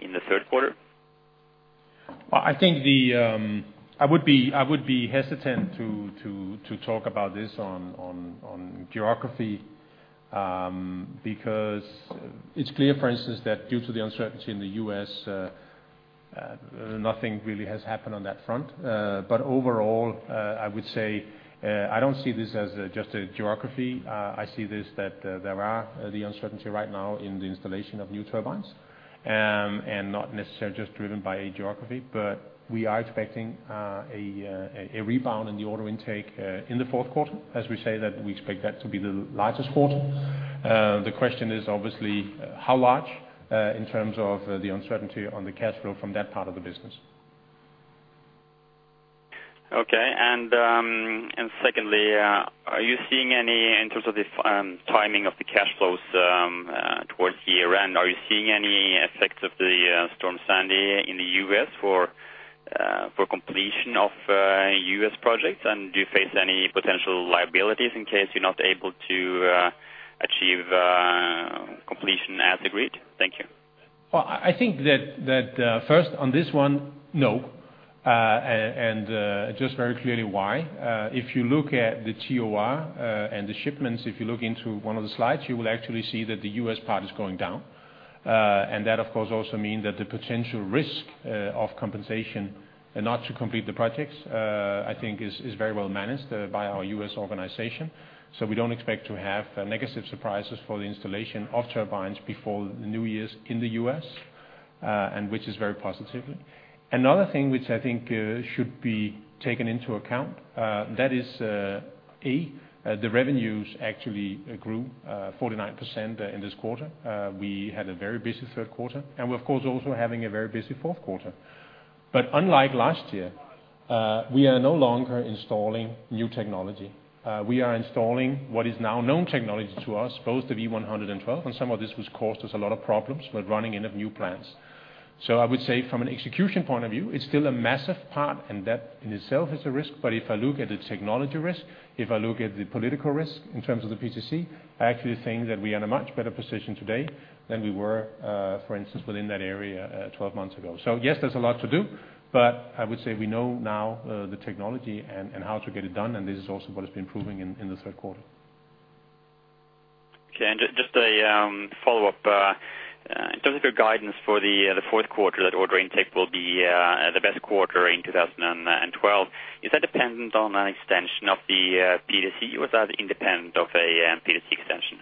in the third quarter? I think I would be hesitant to talk about this by geography because it's clear, for instance, that due to the uncertainty in the U.S., nothing really has happened on that front. But, overall, I would say I don't see this as just a geography. I see this that there are the uncertainty right now in the installation of new turbines and not necessarily just driven by a geography. But we are expecting a rebound in the order intake in the fourth quarter, as we say that we expect that to be the largest quarter. The question is, obviously, how large in terms of the uncertainty on the cash flow from that part of the business. Okay. And, secondly, are you seeing any in terms of the timing of the cash flows towards the year-end, are you seeing any effects of the storm Sandy in the U.S. for completion of U.S. projects? And do you face any potential liabilities in case you're not able to achieve completion as agreed? Thank you. Well, I think that, first, on this one, no, and just very clearly why. If you look at the TOR and the shipments, if you look into one of the slides, you will actually see that the U.S. part is going down. And that, of course, also means that the potential risk of compensation not to complete the projects, I think, is very well managed by our U.S. organization. So, we don't expect to have negative surprises for the installation of turbines before New Year's in the U.S., which is very positive. Another thing which I think should be taken into account, that is, A, the revenues actually grew 49% in this quarter. We had a very busy third quarter, and we're, of course, also having a very busy fourth quarter. But, unlike last year, we are no longer installing new technology. We are installing what is now known technology to us, both the V112, and some of this has caused us a lot of problems with running in of new plants. So, I would say, from an execution point of view, it's still a massive part, and that in itself is a risk. But if I look at the technology risk, if I look at the political risk in terms of the PTC, I actually think that we are in a much better position today than we were, for instance, within that area 12 months ago. So, yes, there's a lot to do, but I would say we know now the technology and how to get it done, and this is also what has been proving in the third quarter. Okay. And just a follow-up. In terms of your guidance for the fourth quarter, that order intake will be the best quarter in 2012, is that dependent on an extension of the PTC, or is that independent of a PTC extension?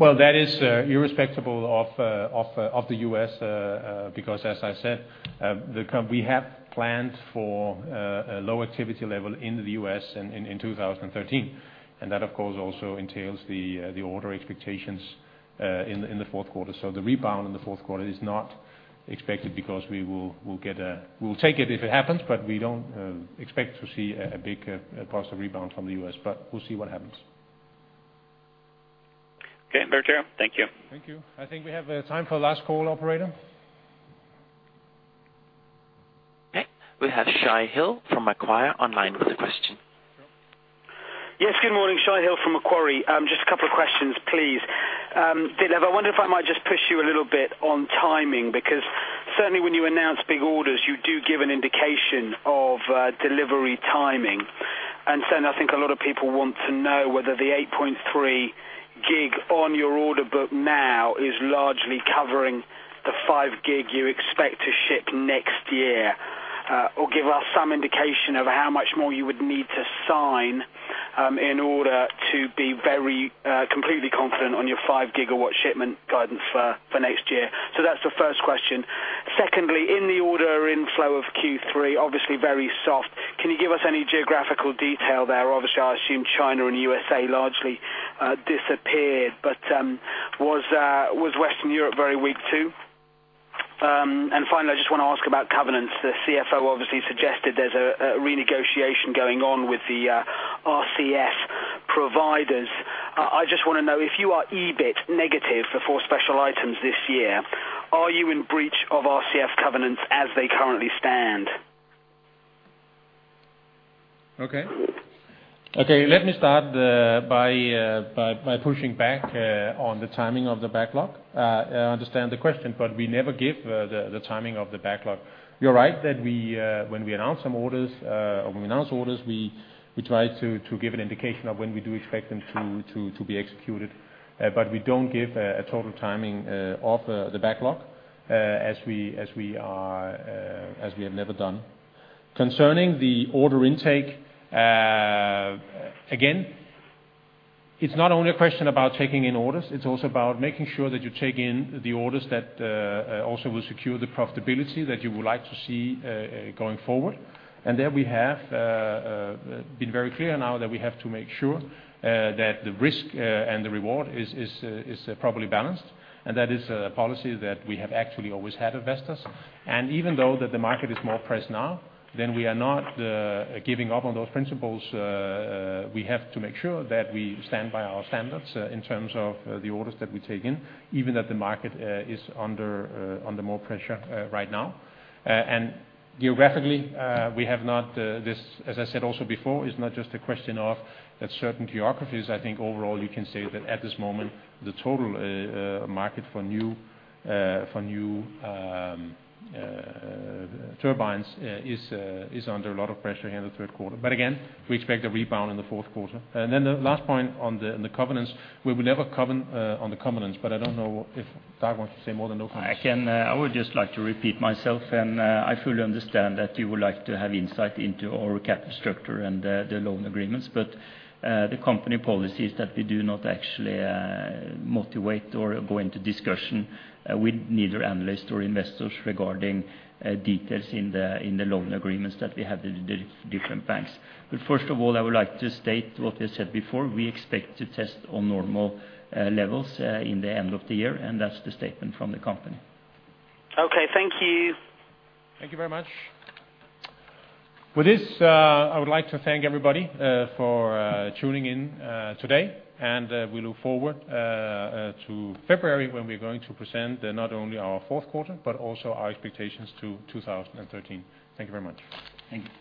Well, that is irrespective of the U.S. because, as I said, we have plans for a low activity level in the U.S. in 2013. And that, of course, also entails the order expectations in the fourth quarter. So, the rebound in the fourth quarter is not expected because we will get a - we will take it if it happens, but we don't expect to see a big positive rebound from the U.S. But we'll see what happens. Okay. Ditlev, thank you. Thank you. I think we have time for the last call, operator. Okay. We have Shai Hill from Macquarie on line with a question. Yes. Good morning. Shai Hill from Macquarie. Just a couple of questions, please. I did wonder if I might just push you a little bit on timing because, certainly, when you announce big orders, you do give an indication of delivery timing. And, certainly, I think a lot of people want to know whether the 8.3 gig on your order book now is largely covering the 5 GW you expect to ship next year or give us some indication of how much more you would need to sign in order to be very completely confident on your 5 GW shipment guidance for next year? So, that's the first question. Secondly, in the order inflow of Q3, obviously, very soft, can you give us any geographical detail there? Obviously, I assume China and U.S.A. largely disappeared. But was Western Europe very weak too? And, finally, I just want to ask about covenants. The CFO, obviously, suggested there's a renegotiation going on with the RCF providers. I just want to know, if you are EBIT negative for four special items this year, are you in breach of RCF covenants as they currently stand? Okay. Okay. Let me start by pushing back on the timing of the backlog. I understand the question, but we never give the timing of the backlog. You're right that, when we announce some orders or when we announce orders, we try to give an indication of when we do expect them to be executed. But we don't give a total timing of the backlog as we have never done. Concerning the order intake, again, it's not only a question about taking in orders. It's also about making sure that you take in the orders that also will secure the profitability that you would like to see going forward. And there, we have been very clear now that we have to make sure that the risk and the reward is properly balanced. And that is a policy that we have actually always had at Vestas. Even though the market is more pressed now, then we are not giving up on those principles. We have to make sure that we stand by our standards in terms of the orders that we take in, even though the market is under more pressure right now. Geographically, we have not. This, as I said also before, is not just a question of certain geographies. I think, overall, you can say that, at this moment, the total market for new turbines is under a lot of pressure here in the third quarter. But, again, we expect a rebound in the fourth quarter. And then the last point on the covenants, we will never comment on the covenants, but I don't know if Dag wants to say more than no comments. I would just like to repeat myself, and I fully understand that you would like to have insight into our capital structure and the loan agreements. But the company policy is that we do not actually motivate or go into discussion with neither analysts nor investors regarding details in the loan agreements that we have with the different banks. But, first of all, I would like to state what we have said before. We expect to test on normal levels in the end of the year, and that's the statement from the company. Okay. Thank you. Thank you very much. With this, I would like to thank everybody for tuning in today. And we look forward to February when we're going to present not only our fourth quarter but also our expectations to 2013. Thank you very much. Thank you.